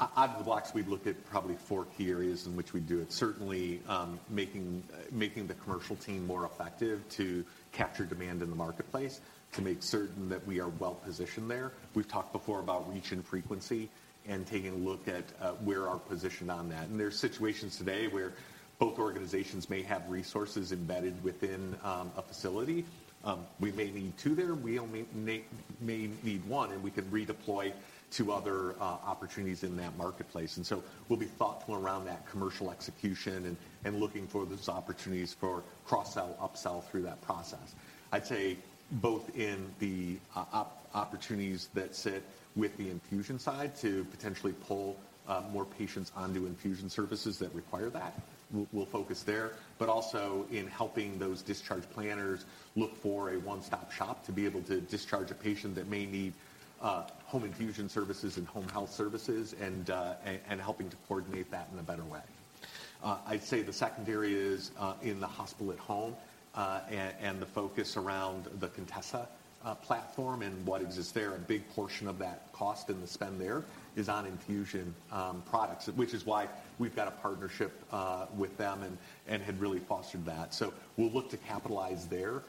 Out of the blocks, we'd look at probably four key areas in which we do it. Certainly, making the commercial team more effective to capture demand in the marketplace, to make certain that we are well positioned there. We've talked before about reach and frequency and taking a look at where our position on that. There are situations today where both organizations may have resources embedded within a facility. We may need two there. We may need one, and we can redeploy to other opportunities in that marketplace. We'll be thoughtful around that commercial execution and looking for those opportunities for cross-sell, up-sell through that process. I'd say both in the opportunities that sit with the infusion side to potentially pull more patients onto infusion services that require that. We'll focus there, but also in helping those discharge planners look for a one-stop shop to be able to discharge a patient that may need home infusion services and Home Health services and helping to coordinate that in a better way. I'd say the second area is in the hospital at home, and the focus around the Contessa platform and what exists there. A big portion of that cost and the spend there is on infusion products, which is why we've got a partnership with them and had really fostered that. We'll look to capitalize there,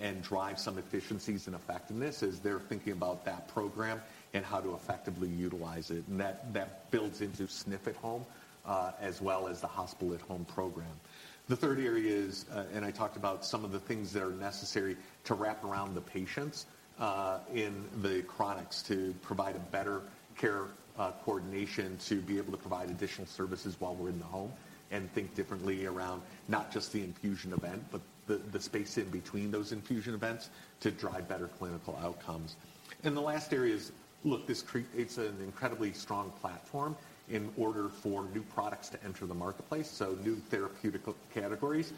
and drive some efficiencies and effectiveness as they're thinking about that program and how to effectively utilize it. That builds into SNF at home, as well as the hospital at home program. The third area is, and I talked about some of the things that are necessary to wrap around the patients, in the chronics to provide a better care, coordination to be able to provide additional services while we're in the home, and think differently around not just the infusion event, but the space in between those infusion events to drive better clinical outcomes. The last area is, look, this creates an incredibly strong platform in order for new products to enter the marketplace, so new therapeutical categories.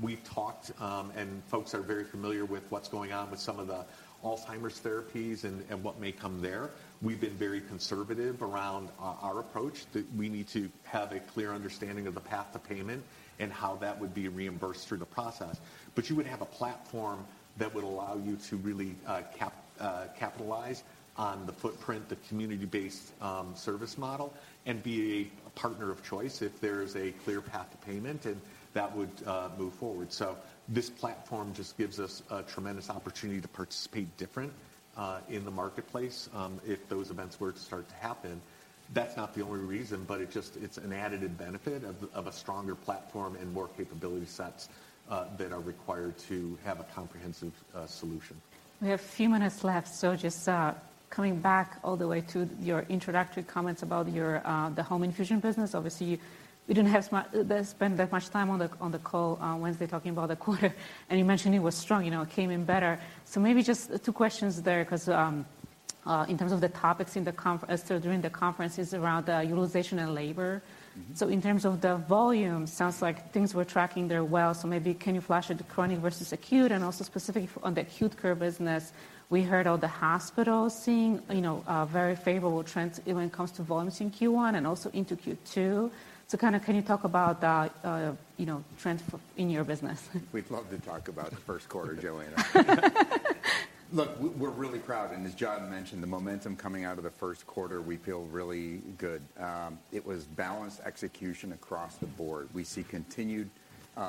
We've talked, and folks are very familiar with what's going on with some of the Alzheimer's therapies and what may come there. We've been very conservative around our approach that we need to have a clear understanding of the path to payment and how that would be reimbursed through the process. You would have a platform that would allow you to really capitalize on the footprint, the community-based service model, and be a partner of choice if there is a clear path to payment, and that would move forward. This platform just gives us a tremendous opportunity to participate different in the marketplace if those events were to start to happen. That's not the only reason, but it's an additive benefit of a stronger platform and more capability sets that are required to have a comprehensive solution. We have a few minutes left. Just coming back all the way to your introductory comments about your the home infusion business. Obviously, we didn't spend that much time on the call on Wednesday talking about the quarter and you mentioned it was strong, you know, it came in better. Maybe just two questions there 'cause in terms of the topics during the conferences around the utilization and labor. Mm-hmm. In terms of the volume, sounds like things were tracking there well, maybe can you flash into chronic versus acute? Also specifically for on the acute care business, we heard all the hospitals seeing, you know, very favorable trends even when it comes to volumes in Q1 and also into Q2. Kinda can you talk about the, you know, trends in your business? We'd love to talk about the first quarter, Joanna. Look, we're really proud, and as John mentioned, the momentum coming out of the first quarter, we feel really good. It was balanced execution across the board. We see continued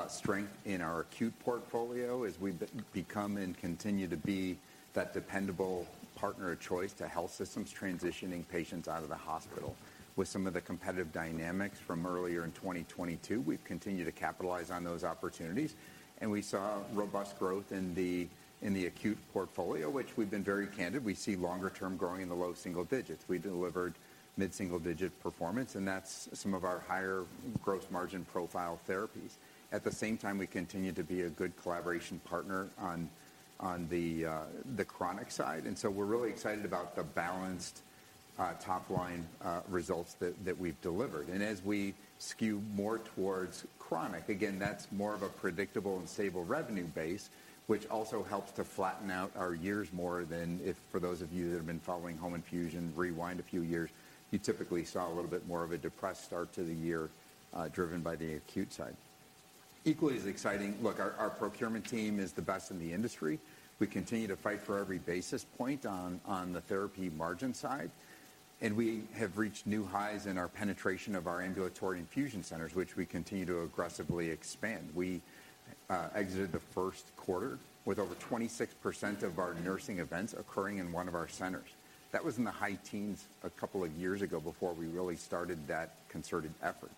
strength in our acute portfolio as we've become and continue to be that dependable partner of choice to health systems transitioning patients out of the hospital. With some of the competitive dynamics from earlier in 2022, we've continued to capitalize on those opportunities, and we saw robust growth in the acute portfolio, which we've been very candid. We see longer term growing in the low single digits. We delivered mid-single digit performance, and that's some of our higher gross margin profile therapies. At the same time, we continue to be a good collaboration partner on the chronic side. We're really excited about the balanced top line results that we've delivered. As we skew more towards chronic, again, that's more of a predictable and stable revenue base, which also helps to flatten out our years more than if, for those of you that have been following home infusion, rewind a few years, you typically saw a little bit more of a depressed start to the year, driven by the acute side. Equally as exciting, look, our procurement team is the best in the industry. We continue to fight for every basis point on the therapy margin side, and we have reached new highs in our penetration of our ambulatory infusion centers, which we continue to aggressively expand. We exited the first quarter with over 26% of our nursing events occurring in one of our centers. That was in the high teens a couple of years ago before we really started that concerted effort.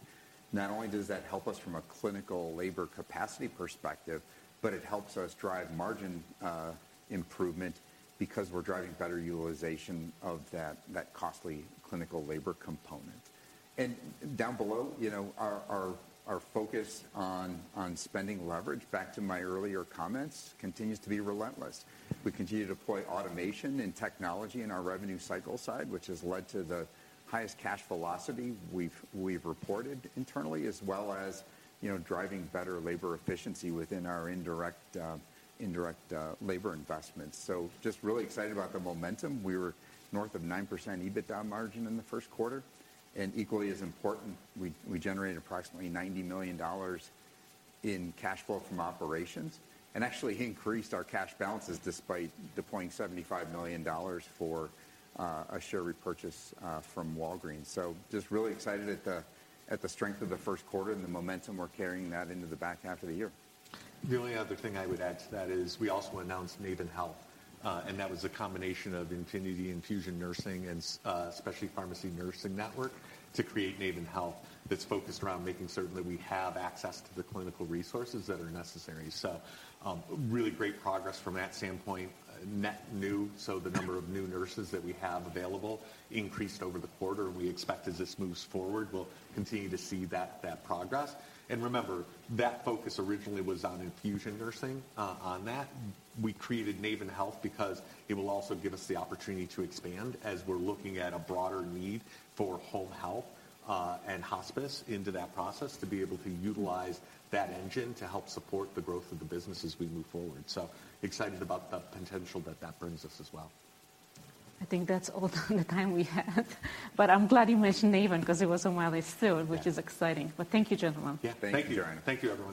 Not only does that help us from a clinical labor capacity perspective, but it helps us drive margin improvement because we're driving better utilization of that costly clinical labor component. Down below, you know, our focus on spending leverage, back to my earlier comments, continues to be relentless. We continue to deploy automation and technology in our revenue cycle side, which has led to the highest cash velocity we've reported internally as well as, you know, driving better labor efficiency within our indirect labor investments. Just really excited about the momentum. We were north of 9% EBITDA margin in the first quarter. Equally as important, we generated approximately $90 million in cash flow from operations and actually increased our cash balances despite deploying $75 million for a share repurchase from Walgreens. Just really excited at the strength of the first quarter and the momentum we're carrying that into the back half of the year. The only other thing I would add to that is we also announced Naven Health, and that was a combination of Infinity Infusion Nursing and Specialty Pharmacy Nursing Network to create Naven Health that's focused around making certain that we have access to the clinical resources that are necessary. Really great progress from that standpoint. Net new, so the number of new nurses that we have available increased over the quarter. We expect as this moves forward, we'll continue to see that progress. Remember, that focus originally was on infusion nursing on that. We created Naven Health because it will also give us the opportunity to expand as we're looking at a broader need for Home Health and hospice into that process to be able to utilize that engine to help support the growth of the business as we move forward. Excited about the potential that that brings us as well. I think that's all the time we have. I'm glad you mentioned Maven 'cause it was on my list too. Yeah. Which is exciting. Thank you, gentlemen. Yeah. Thank you, Joanna. Thank you, everyone.